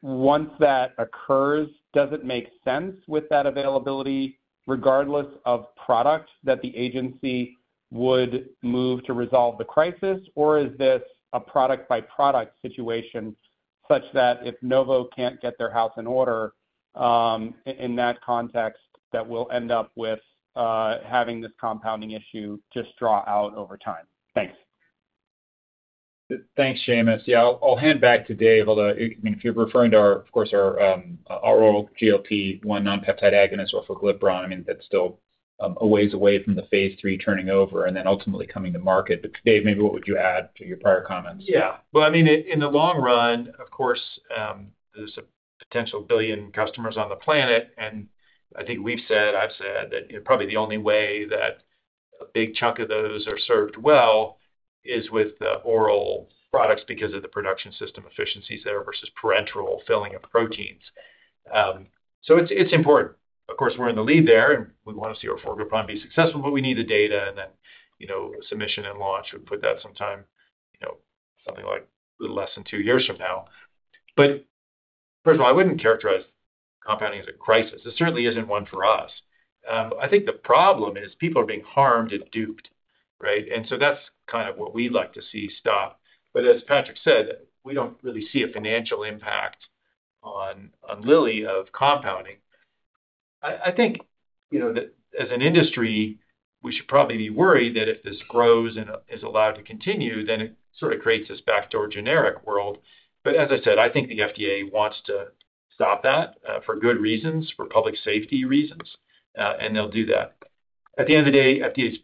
Once that occurs, does it make sense with that availability, regardless of product, that the agency would move to resolve the crisis, or is this a product-by-product situation such that if Novo can't get their house in order in that context, that we'll end up with having this compounding issue just draw out over time? Thanks. Thanks, Seamus. Yeah, I'll hand back to Dave. I mean, if you're referring to, of course, our oral GLP-1 non-peptide agonist orforglipron, I mean, that's still a ways away from the phase III turning over and then ultimately coming to market. But Dave, maybe what would you add to your prior comments? Yeah. Well, I mean, in the long run, of course, there's a potential billion customers on the planet. I think we've said, I've said that probably the only way that a big chunk of those are served well is with the oral products because of the production system efficiencies there versus parenteral filling of proteins. So it's important. Of course, we're in the lead there, and we want to see our GLP-1 front be successful, but we need the data and then submission and launch. We put that sometime, something like less than two years from now. But first of all, I wouldn't characterize compounding as a crisis. It certainly isn't one for us. I think the problem is people are being harmed and duped, right? And so that's kind of what we'd like to see stop. But as Patrik said, we don't really see a financial impact on Lilly of compounding. I think that as an industry, we should probably be worried that if this grows and is allowed to continue, then it sort of creates this backdoor generic world. But as I said, I think the FDA wants to stop that for good reasons, for public safety reasons, and they'll do that. At the end of the day, FDA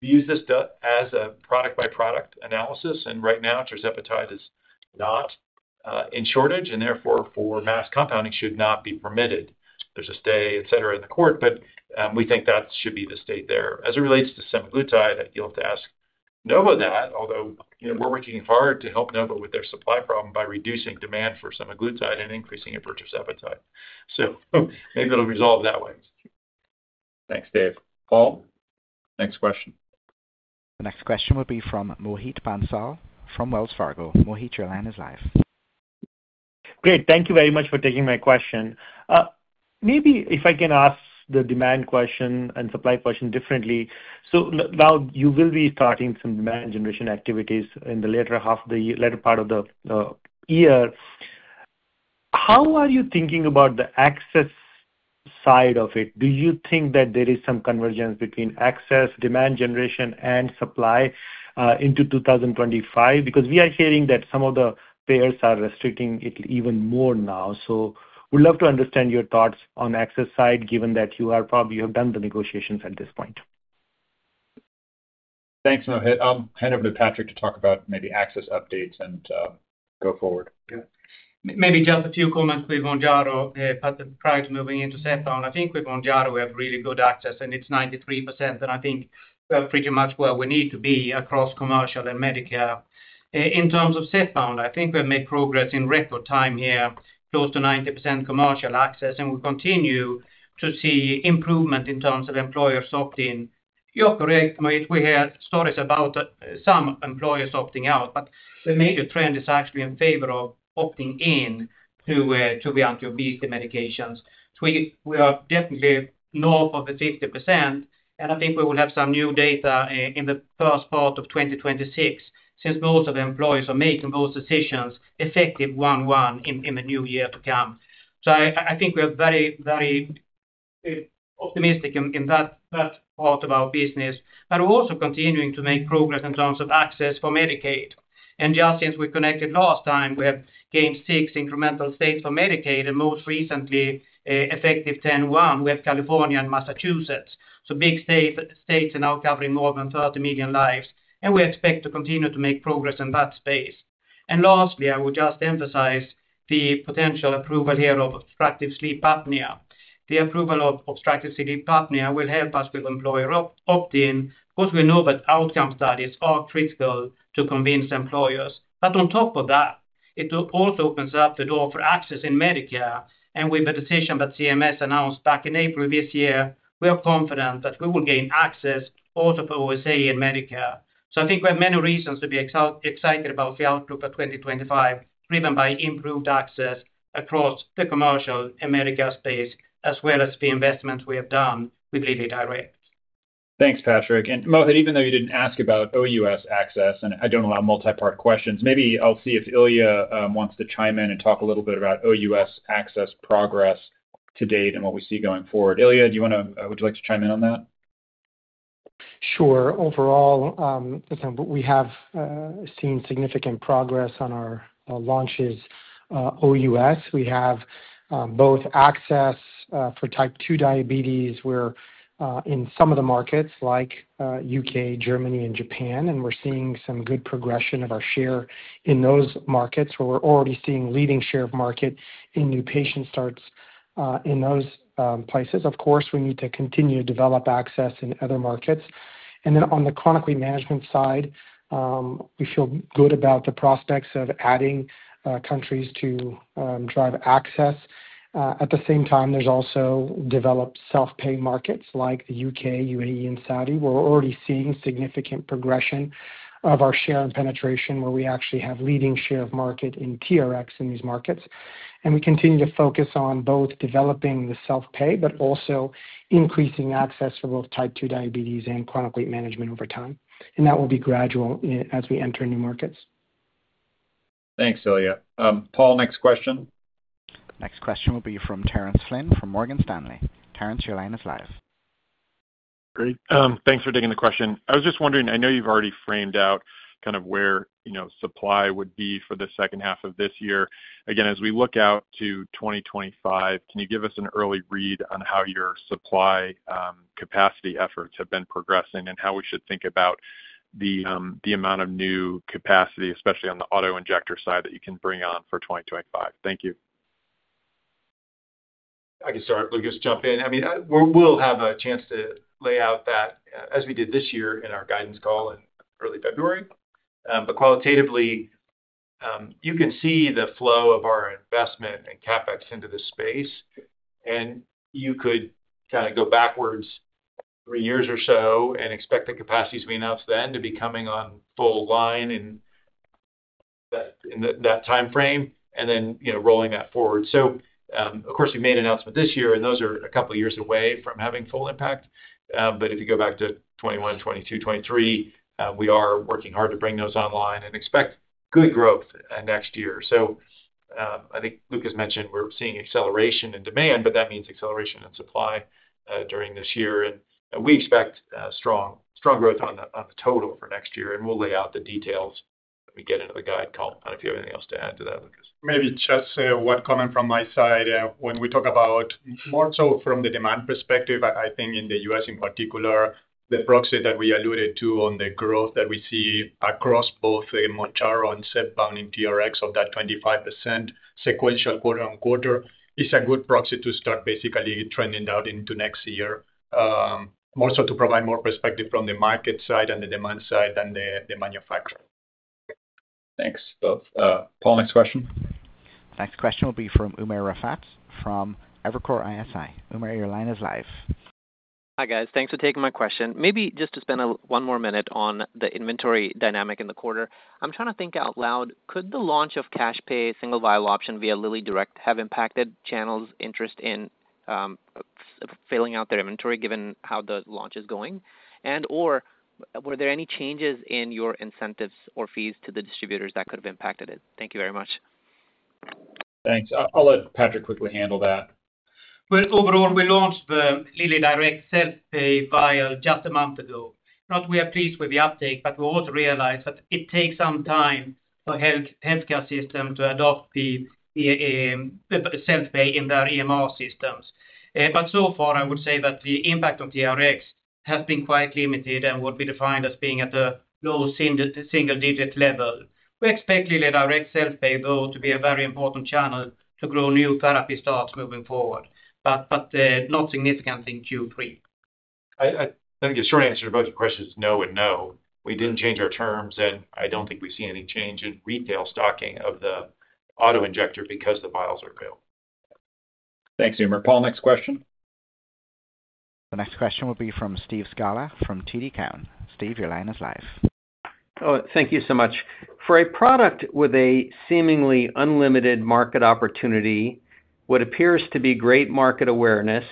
views this as a product-by-product analysis. And right now, Tirzepatide is not in shortage, and therefore, for mass compounding, should not be permitted. There's a stay, etc., in the court, but we think that should be the stay there. As it relates to semaglutide, I feel to ask Novo that, although we're working hard to help Novo with their supply problem by reducing demand for semaglutide and increasing it for Tirzepatide. So maybe it'll resolve that way. Thanks, Dave. Paul, next question. The next question will be from Mohit Bansal from Wells Fargo. Mohit, your line is live. Great. Thank you very much for taking my question. Maybe if I can ask the demand question and supply question differently. So now you will be starting some demand generation activities in the later half of the later part of the year. How are you thinking about the access side of it? Do you think that there is some convergence between access, demand generation, and supply into 2025? Because we are hearing that some of the payers are restricting it even more now. So we'd love to understand your thoughts on access side, given that you have done the negotiations at this point. Thanks, Mohit. I'll hand over to Patrik to talk about maybe access updates and go forward. Maybe just a few comments with Mounjaro prior to moving into Zepbound. I think with Mounjaro we have really good access, and it's 93%. And I think we have pretty much where we need to be across commercial and Medicare. In terms of Zepbound, I think we have made progress in record time here, close to 90% commercial access, and we'll continue to see improvement in terms of employer opt-in. You're correct, Mohit. We heard stories about some employers opting out, but the major trend is actually in favor of opting in to cover obesity medications. We are definitely north of the 50%, and I think we will have some new data in the first part of 2026 since most of the employers are making those decisions effective January 1 in the new year to come. So I think we are very, very optimistic in that part of our business, but we're also continuing to make progress in terms of access for Medicaid. And just since we connected last time, we have gained six incremental states for Medicaid, and most recently, effective 10-1, we have California and Massachusetts. So big states are now covering more than 30 million lives, and we expect to continue to make progress in that space. And lastly, I would just emphasize the potential approval here of obstructive sleep apnea. The approval of obstructive sleep apnea will help us with employer opt-in, because we know that outcome studies are critical to convince employers. But on top of that, it also opens up the door for access in Medicare. With the decision that CMS announced back in April this year, we are confident that we will gain access also for OSA and Medicare. So I think we have many reasons to be excited about the outlook for 2025, driven by improved access across the commercial and Medicare space, as well as the investments we have done with LillyDirect. Thanks, Patrik. And Mohit, even though you didn't ask about OUS access, and I don't allow multi-part questions, maybe I'll see if Ilya wants to chime in and talk a little bit about OUS access progress to date and what we see going forward. Ilya, would you like to chime in on that? Sure. Overall, we have seen significant progress on our launches OUS. We have both access for type 2 diabetes. We're in some of the markets like U.K., Germany, and Japan, and we're seeing some good progression of our share in those markets where we're already seeing leading share of market in new patient starts in those places. Of course, we need to continue to develop access in other markets. Then on the chronic weight management side, we feel good about the prospects of adding countries to drive access. At the same time, there's also developing self-pay markets like the U.K., UAE, and Saudi Arabia. We're already seeing significant progression of our share and penetration where we actually have leading share of market in TRx in these markets. And we continue to focus on both developingthe self-pay, but also increasing access for both type 2 diabetes and chronic weight management over time. And that will be gradual as we enter new markets. Thanks, Ilya. Paul, next question. The next question will be from Terence Flynn from Morgan Stanley. Terence, your line is live. Great. Thanks for taking the question. I was just wondering. I know you've already framed out kind of where supply would be for the second half of this year. Again, as we look out to 2025, can you give us an early read on how your supply capacity efforts have been progressing and how we should think about the amount of new capacity, especially on the autoinjector side that you can bring on for 2025? Thank you. I can start. Let me just jump in. I mean, we'll have a chance to lay out that as we did this year in our guidance call in early February. But qualitatively, you can see the flow of our investment and CapEx into this space. You could kind of go backwards three years or so and expect the capacity to be enough then to be coming online in that timeframe and then rolling that forward. Of course, we made an announcement this year, and those are a couple of years away from having full impact. If you go back to 2021, 2022, 2023, we are working hard to bring those online and expect good growth next year. I think Lucas mentioned we're seeing acceleration in demand, but that means acceleration in supply during this year. We expect strong growth on the total for next year, and we'll lay out the details when we get into the guidance call. I don't know if you have anything else to add to that, Lucas. Maybe just a comment from my side. When we talk about more so from the demand perspective, I think in the U.S. in particular, the proxy that we alluded to on the growth that we see across both the Mounjaro and Zepbound in TRx of that 25% sequential quarter on quarter is a good proxy to start basically trending out into next year, more so to provide more perspective from the market side and the demand side than the manufacturer. Thanks, both. Paul, next question. The next question will be from Umer Raffat from Evercore ISI. Umer, your line is live. Hi, guys. Thanks for taking my question. Maybe just to spend one more minute on the inventory dynamic in the quarter. I'm trying to think out loud. Could the launch of cash-pay single vial option via LillyDirect have impacted channels' interest in filling out their inventory given how the launch is going? And/or were there any changes in your incentives or fees to the distributors that could have impacted it? Thank you very much. Thanks. I'll let Patrik quickly handle that. But overall, we launched the LillyDirect self-pay vials just a month ago. We are pleased with the uptake, but we also realize that it takes some time for the healthcare system to adopt the self-pay in their EMR systems. But so far, I would say that the impact of TRx has been quite limited and would be defined as being at a low single-digit level. We expect LillyDirect self-pay, though, to be a very important channel to grow new therapy starts moving forward, but not significantly in Q3. I think a short answer to both your questions is no and no. We didn't change our terms, and I don't think we've seen any change in retail stocking of the autoinjector because the vials are available. Thanks, Umer. Paul, next question. The next question will be from Steve Scala from TD Cowen. Steve, your line is live. Oh, thank you so much. For a product with a seemingly unlimited market opportunity, what appears to be great market awareness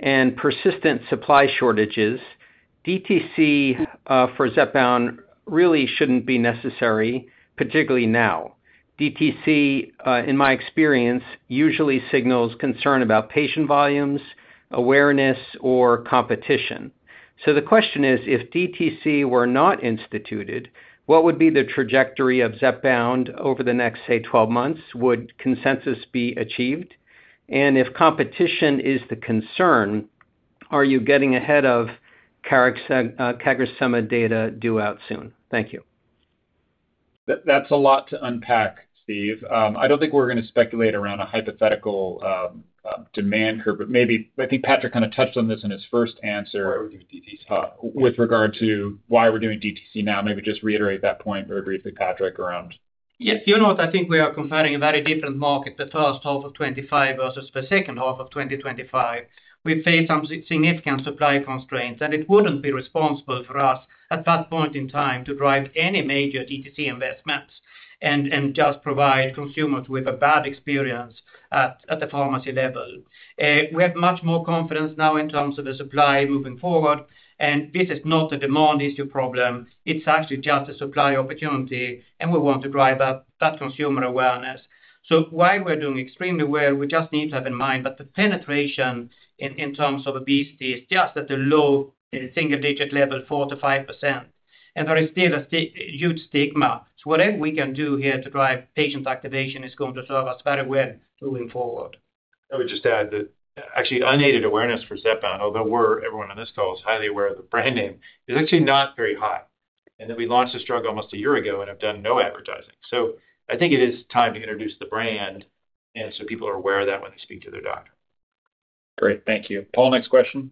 and persistent supply shortages, DTC for Zepbound really shouldn't be necessary, particularly now. DTC, in my experience, usually signals concern about patient volumes, awareness, or competition. So the question is, if DTC were not instituted, what would be the trajectory of Zepbound over the next, say, 12 months? Would consensus be achieved? And if competition is the concern, are you getting ahead of CagriSema data due out soon? Thank you. That's a lot to unpack, Steve. I don't think we're going to speculate around a hypothetical demand curve, but maybe I think Patrik kind of touched on this in his first answer with regard to why we're doing DTC now. Maybe just reiterate that point very briefly, Patrik, around. Yes. You know what? I think we are confronting a very different market the first half of 2025 versus the second half of 2025. We face some significant supply constraints, and it wouldn't be responsible for us at that point in time to drive any major DTC investments and just provide consumers with a bad experience at the pharmacy level. We have much more confidence now in terms of the supply moving forward, and this is not a demand issue problem. It's actually just a supply opportunity, and we want to drive up that consumer awareness. So while we're doing extremely well, we just need to have in mind that the penetration in terms of obesity is just at the low single-digit level, 4%-5%. And there is still a huge stigma. So whatever we can do here to drive patient activation is going to serve us very well moving forward. I would just add that actually unaided awareness for Zepbound, although everyone on this call is highly aware of the brand name, is actually not very high. And then we launched this drug almost a year ago and have done no advertising. So I think it is time to introduce the brand and so people are aware of that when they speak to their doctor. Great. Thank you. Paul, next question.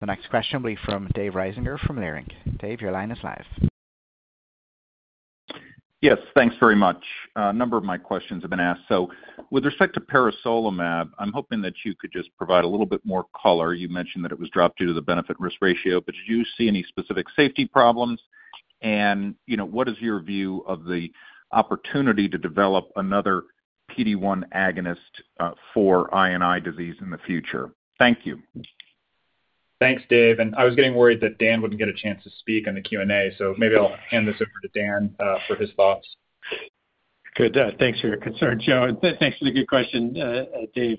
The next question will be from Dave Risinger from Leerink Partners. Dave, your line is live. Yes. Thanks very much. A number of my questions have been asked. So with respect to peresolimab, I'm hoping that you could just provide a little bit more color. You mentioned that it was dropped due to the benefit-risk ratio, but did you see any specific safety problems? And what is your view of the opportunity to develop another PD-1 agonist for IBD disease in the future? Thank you. Thanks, Dave. And I was getting worried that Dan wouldn't get a chance to speak on the Q&A, so maybe I'll hand this over to Dan for his thoughts. Good. Thanks for your concern, Joe. Thanks for the good question, Dave.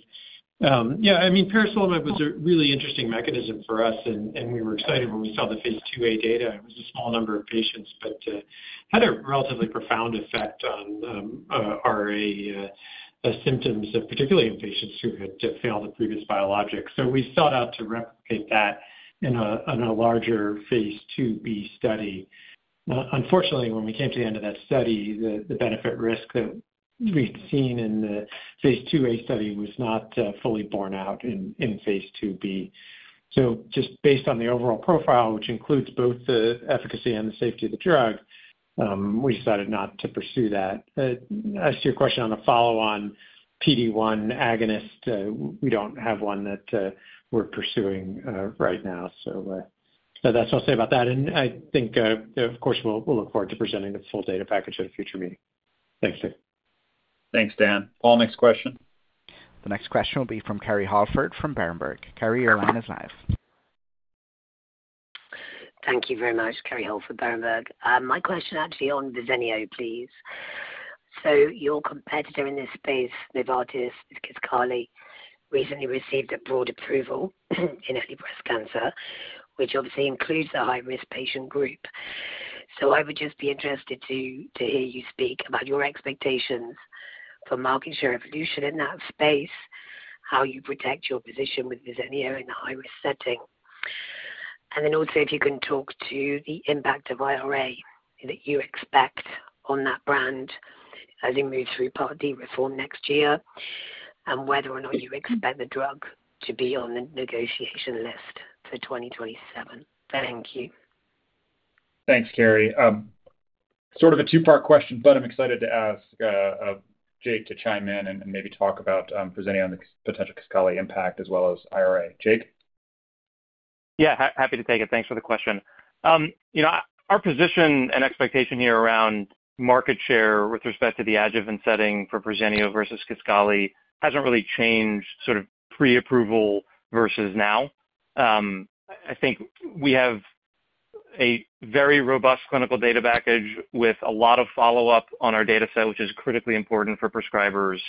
Yeah. I mean, peresolimab was a really interesting mechanism for us, and we were excited when we saw the phase IIa data. It was a small number of patients, but had a relatively profound effect on RA symptoms, particularly in patients who had failed a previous biologic. So we sought out to replicate that in a larger phase IIb study. Unfortunately, when we came to the end of that study, the benefit-risk that we had seen in the phase IIa study was not fully borne out in phase IIb. So just based on the overall profile, which includes both the efficacy and the safety of the drug, we decided not to pursue that. As to your question on a follow-on PD-1 agonist, we don't have one that we're pursuing right now. So that's what I'll say about that. And I think, of course, we'll look forward to presenting the full data package at a future meeting. Thanks, Dave. Thanks, Dan. Paul, next question. The next question will be from Kerry Holford from Berenberg. Kerry, your line is live. Thank you very much, Kerry Holford, Berenberg. My question actually on Verzenio, please. So your competitor in this space, Novartis, Kisqali, recently received a broad approval in early breast cancer, which obviously includes the high-risk patient group. So I would just be interested to hear you speak about your expectations for market share evolution in that space, how you protect your position with Verzenio in the high-risk setting. And then also, if you can talk to the impact of IRA that you expect on that brand as you move through Part D reform next year and whether or not you expect the drug to be on the negotiation list for 2027. Thank you. Thanks, Kerry. Sort of a two-part question, but I'm excited to ask Jake to chime in and maybe talk about Verzenio and the potential Kisqali impact as well as IRA. Jake? Yeah. Happy to take it. Thanks for the question. Our position and expectation here around market share with respect to the adjuvant setting for Verzenio versus Kisqali hasn't really changed sort of pre-approval versus now. I think we have a very robust clinical data package with a lot of follow-up on our data set, which is critically important for prescribers,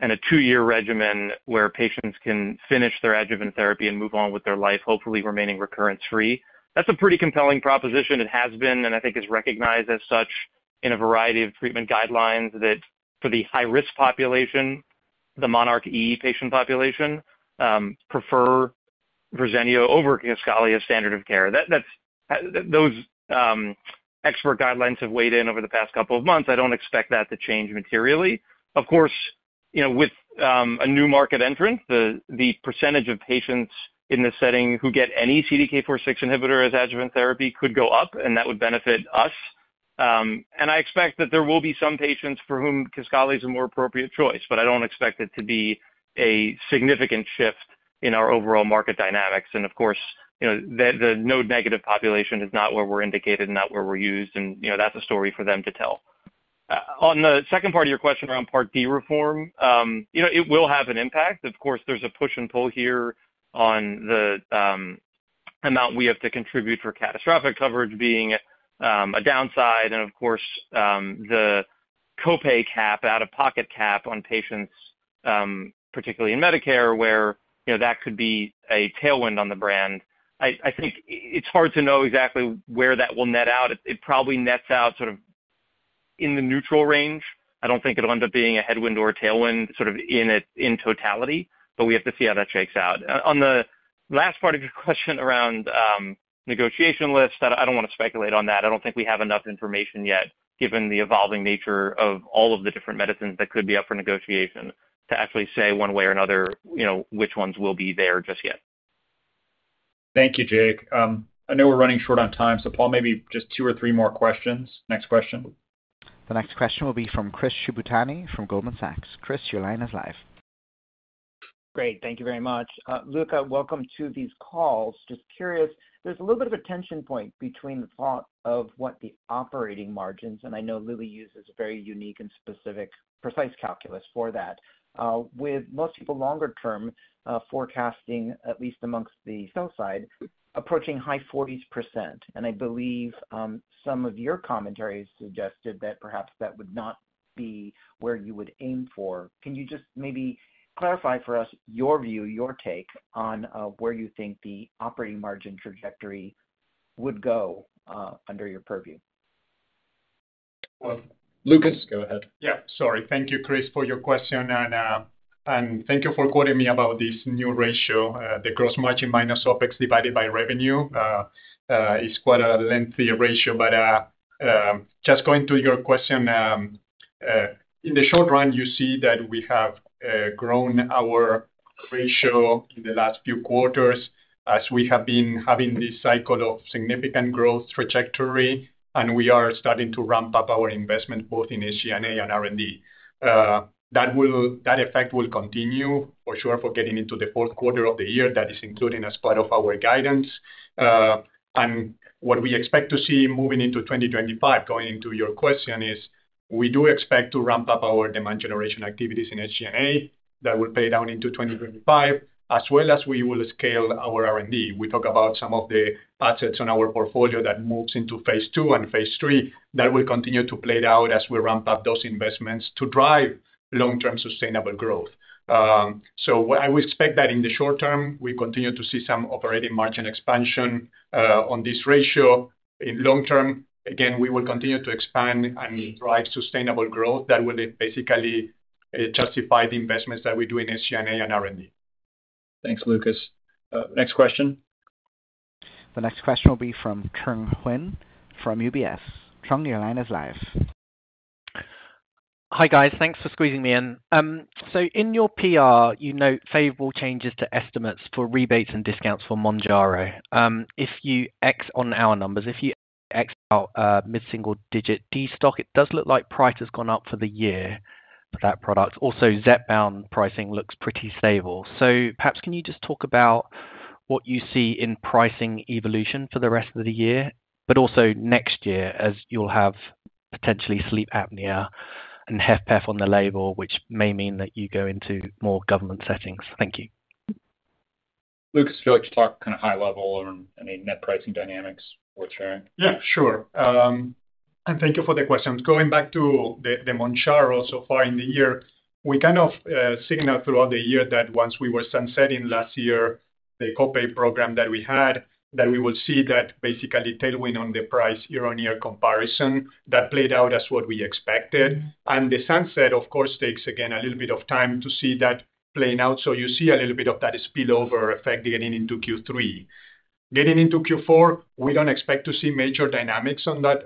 and a two-year regimen where patients can finish their adjuvant therapy and move on with their life, hopefully remaining recurrence-free. That's a pretty compelling proposition. It has been and I think is recognized as such in a variety of treatment guidelines that for the high-risk population, the monarchE patient population, prefer Verzenio over Kisqali as standard of care. Those expert guidelines have weighed in over the past couple of months. I don't expect that to change materially. Of course, with a new market entrant, the percentage of patients in this setting who get any CDK4/6 inhibitor as adjuvant therapy could go up, and that would benefit us. And I expect that there will be some patients for whom Kisqali is a more appropriate choice, but I don't expect it to be a significant shift in our overall market dynamics. And of course, the node-negative population is not where we're indicated and not where we're used, and that's a story for them to tell. On the second part of your question around Part D reform, it will have an impact. Of course, there's a push and pull here on the amount we have to contribute for catastrophic coverage being a downside. And of course, the copay cap, out-of-pocket cap on patients, particularly in Medicare, where that could be a tailwind on the brand. I think it's hard to know exactly where that will net out. It probably nets out sort of in the neutral range. I don't think it'll end up being a headwind or a tailwind sort of in totality, but we have to see how that shakes out. On the last part of your question around negotiation list, I don't want to speculate on that. I don't think we have enough information yet, given the evolving nature of all of the different medicines that could be up for negotiation, to actually say one way or another which ones will be there just yet. Thank you, Jake. I know we're running short on time, so Paul, maybe just two or three more questions. Next question. The next question will be from Chris Shibutani from Goldman Sachs. Chris, your line is live. Great. Thank you very much. Lucas, welcome to these calls. Just curious, there's a little bit of a tension point between the thought of what the operating margins, and I know Lilly uses a very unique and specific precise calculus for that, with most people longer-term forecasting, at least amongst the sell side, approaching high 40%. And I believe some of your commentary suggested that perhaps that would not be where you would aim for. Can you just maybe clarify for us your view, your take on where you think the operating margin trajectory would go under your purview? Well, Lucas, go ahead. Yeah. Sorry. Thank you, Chris, for your question, and thank you for quoting me about this new ratio, the gross margin minus OPEX divided by revenue. It's quite a lengthy ratio, but just going to your question, in the short run, you see that we have grown our ratio in the last few quarters as we have been having this cycle of significant growth trajectory, and we are starting to ramp up our investment both in SG&A and R&D. That effect will continue, for sure, for getting into the fourth quarter of the year. That is included as part of our guidance. And what we expect to see moving into 2025, going into your question, is we do expect to ramp up our demand generation activities in SG&A that will play down into 2025, as well as we will scale our R&D. We talk about some of the assets on our portfolio that moves into phase II and phase III that will continue to play out as we ramp up those investments to drive long-term sustainable growth. So I would expect that in the short term, we continue to see some operating margin expansion on this ratio. In long term, again, we will continue to expand and drive sustainable growth that will basically justify the investments that we do in SG&A and R&D. Thanks, Lucas. Next question. The next question will be from Trung Huynh from UBS. Trung, your line is live. Hi, guys. Thanks for squeezing me in. So in your PR, you note favorable changes to estimates for rebates and discounts for Mounjaro. If you X on our numbers, if you X out mid-single-digit destock, it does look like price has gone up for the year for that product. Also, Zepbound pricing looks pretty stable. So perhaps can you just talk about what you see in pricing evolution for the rest of the year, but also next year as you'll have potentially sleep apnea and HFpEF on the label, which may mean that you go into more government settings. Thank you. Lucas, if you'd like to talk kind of high level on any net pricing dynamics worth sharing. Yeah, sure. And thank you for the questions. Going back to the Mounjaro so far in the year, we kind of signaled throughout the year that once we were sunsetting last year, the copay program that we had, that we will see that basically tailwind on the price year-on-year comparison that played out as what we expected. And the sunset, of course, takes again a little bit of time to see that playing out. So you see a little bit of that spillover effect getting into Q3. Getting into Q4, we don't expect to see major dynamics on that.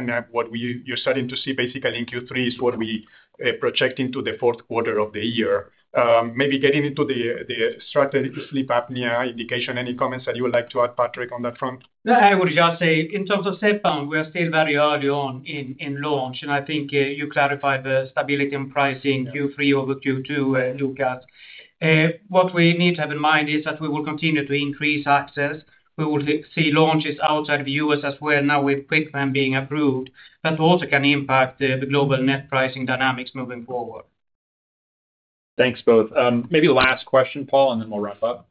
And what you're starting to see basically in Q3 is what we project into the fourth quarter of the year. Maybe getting into the obstructive sleep apnea indication, any comments that you would like to add, Patrik, on that front? I would just say in terms of Zepbound, we are still very early on in launch. And I think you clarified the stability and pricing Q3 over Q2, Lucas. What we need to have in mind is that we will continue to increase access. We will see launches outside of the U.S. as well now with Mounjaro being approved, but also can impact the global net pricing dynamics moving forward. Thanks, both. Maybe last question, Paul, and then we'll wrap up.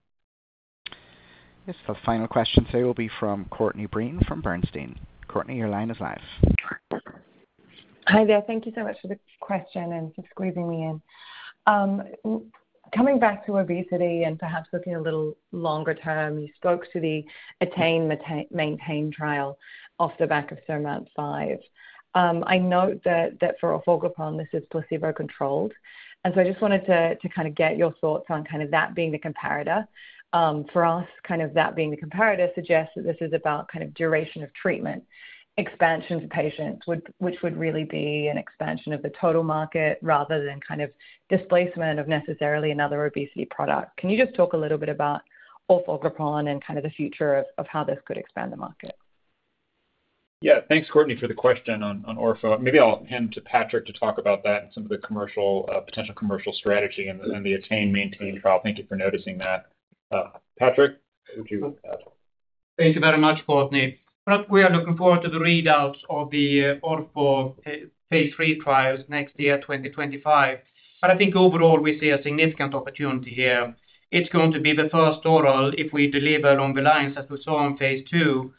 Yes. The final question, so it will be from Courtney Breen from Bernstein. Courtney, your line is live. Hi there. Thank you so much for the question and for squeezing me in. Coming back to obesity and perhaps looking a little longer term, you spoke to the ATTAIN-maintain trial off the back of SURMOUNT-5. I note that for orforglipron, this is placebo-controlled. And so I just wanted to kind of get your thoughts on kind of that being the comparator. For us, kind of that being the comparator suggests that this is about kind of duration of treatment expansion for patients, which would really be an expansion of the total market rather than kind of displacement of necessarily another obesity product. Can you just talk a little bit about orforglipron and kind of the future of how this could expand the market? Yeah. Thanks, Courtney, for the question on Orfo. Maybe I'll hand it to Patrik to talk about that and some of the potential commercial strategy and the ATTAIN-maintain trial. Thank you for noticing that. Patrik, would you? Thank you very much, Courtney. We are looking forward to the readouts of the OrfTTo phase III trials next year, 2025. But I think overall, we see a significant opportunity here. It's going to be the first oral if we deliver along the lines that we saw in phase II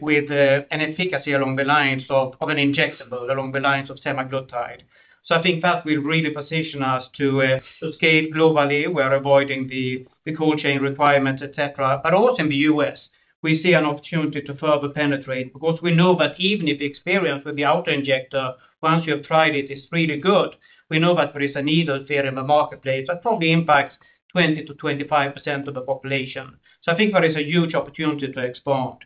with an efficacy along the lines of an injectable, along the lines of semaglutide. So I think that will really position us to scale globally. We are avoiding the cold chain requirements, etc. But also in the U.S., we see an opportunity to further penetrate because we know that even if experience with the autoinjector, once you have tried it, is really good, we know that there is a needle fear in the marketplace that probably impacts 20%-25% of the population. So I think there is a huge opportunity to expand.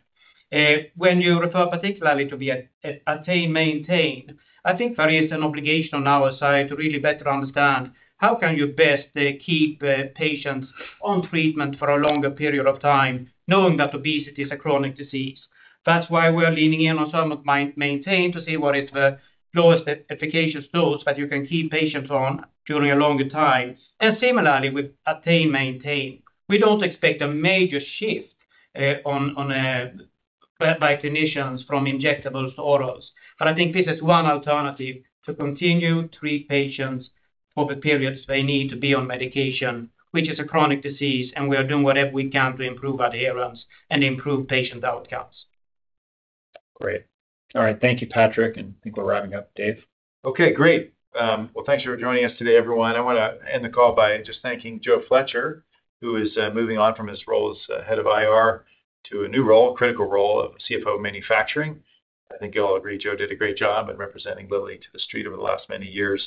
When you refer particularly to the ATTAIN-maintain, I think there is an obligation on our side to really better understand how can you best keep patients on treatment for a longer period of time, knowing that obesity is a chronic disease. That's why we are leaning in on some maintenance to see what is the lowest efficacious dose that you can keep patients on during a longer time. And similarly, with ATTAIN-maintain, we don't expect a major shift by clinicians from injectables to orals. But I think this is one alternative to continue to treat patients for the periods they need to be on medication, which is a chronic disease, and we are doing whatever we can to improve adherence and improve patient outcomes. Great. All right. Thank you, Patrik. And I think we're wrapping up, Dave. Okay. Great. Well, thanks for joining us today, everyone. I want to end the call by just thanking Joe Fletcher, who is moving on from his role as head of IR to a new role, critical role of CFO manufacturing. I think you'll agree, Joe did a great job in representing Lilly to the street over the last many years.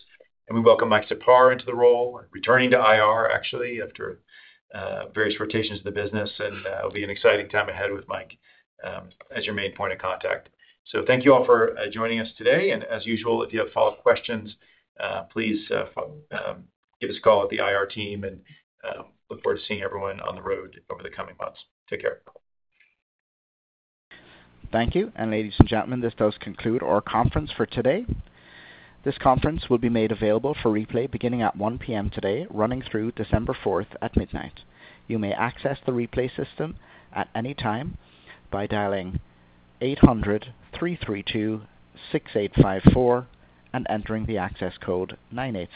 And we welcome Mike Siper into the role and returning to IR, actually, after various rotations in the business. And it'll be an exciting time ahead with Mike as your main point of contact. Thank you all for joining us today. As usual, if you have follow-up questions, please give us a call at the IR team, and look forward to seeing everyone on the road over the coming months. Take care. Thank you. Ladies and gentlemen, this does conclude our conference for today. This conference will be made available for replay beginning at 1:00 P.M. today, running through December 4th at midnight. You may access the replay system at any time by dialing 800-332-6854 and entering the access code 98.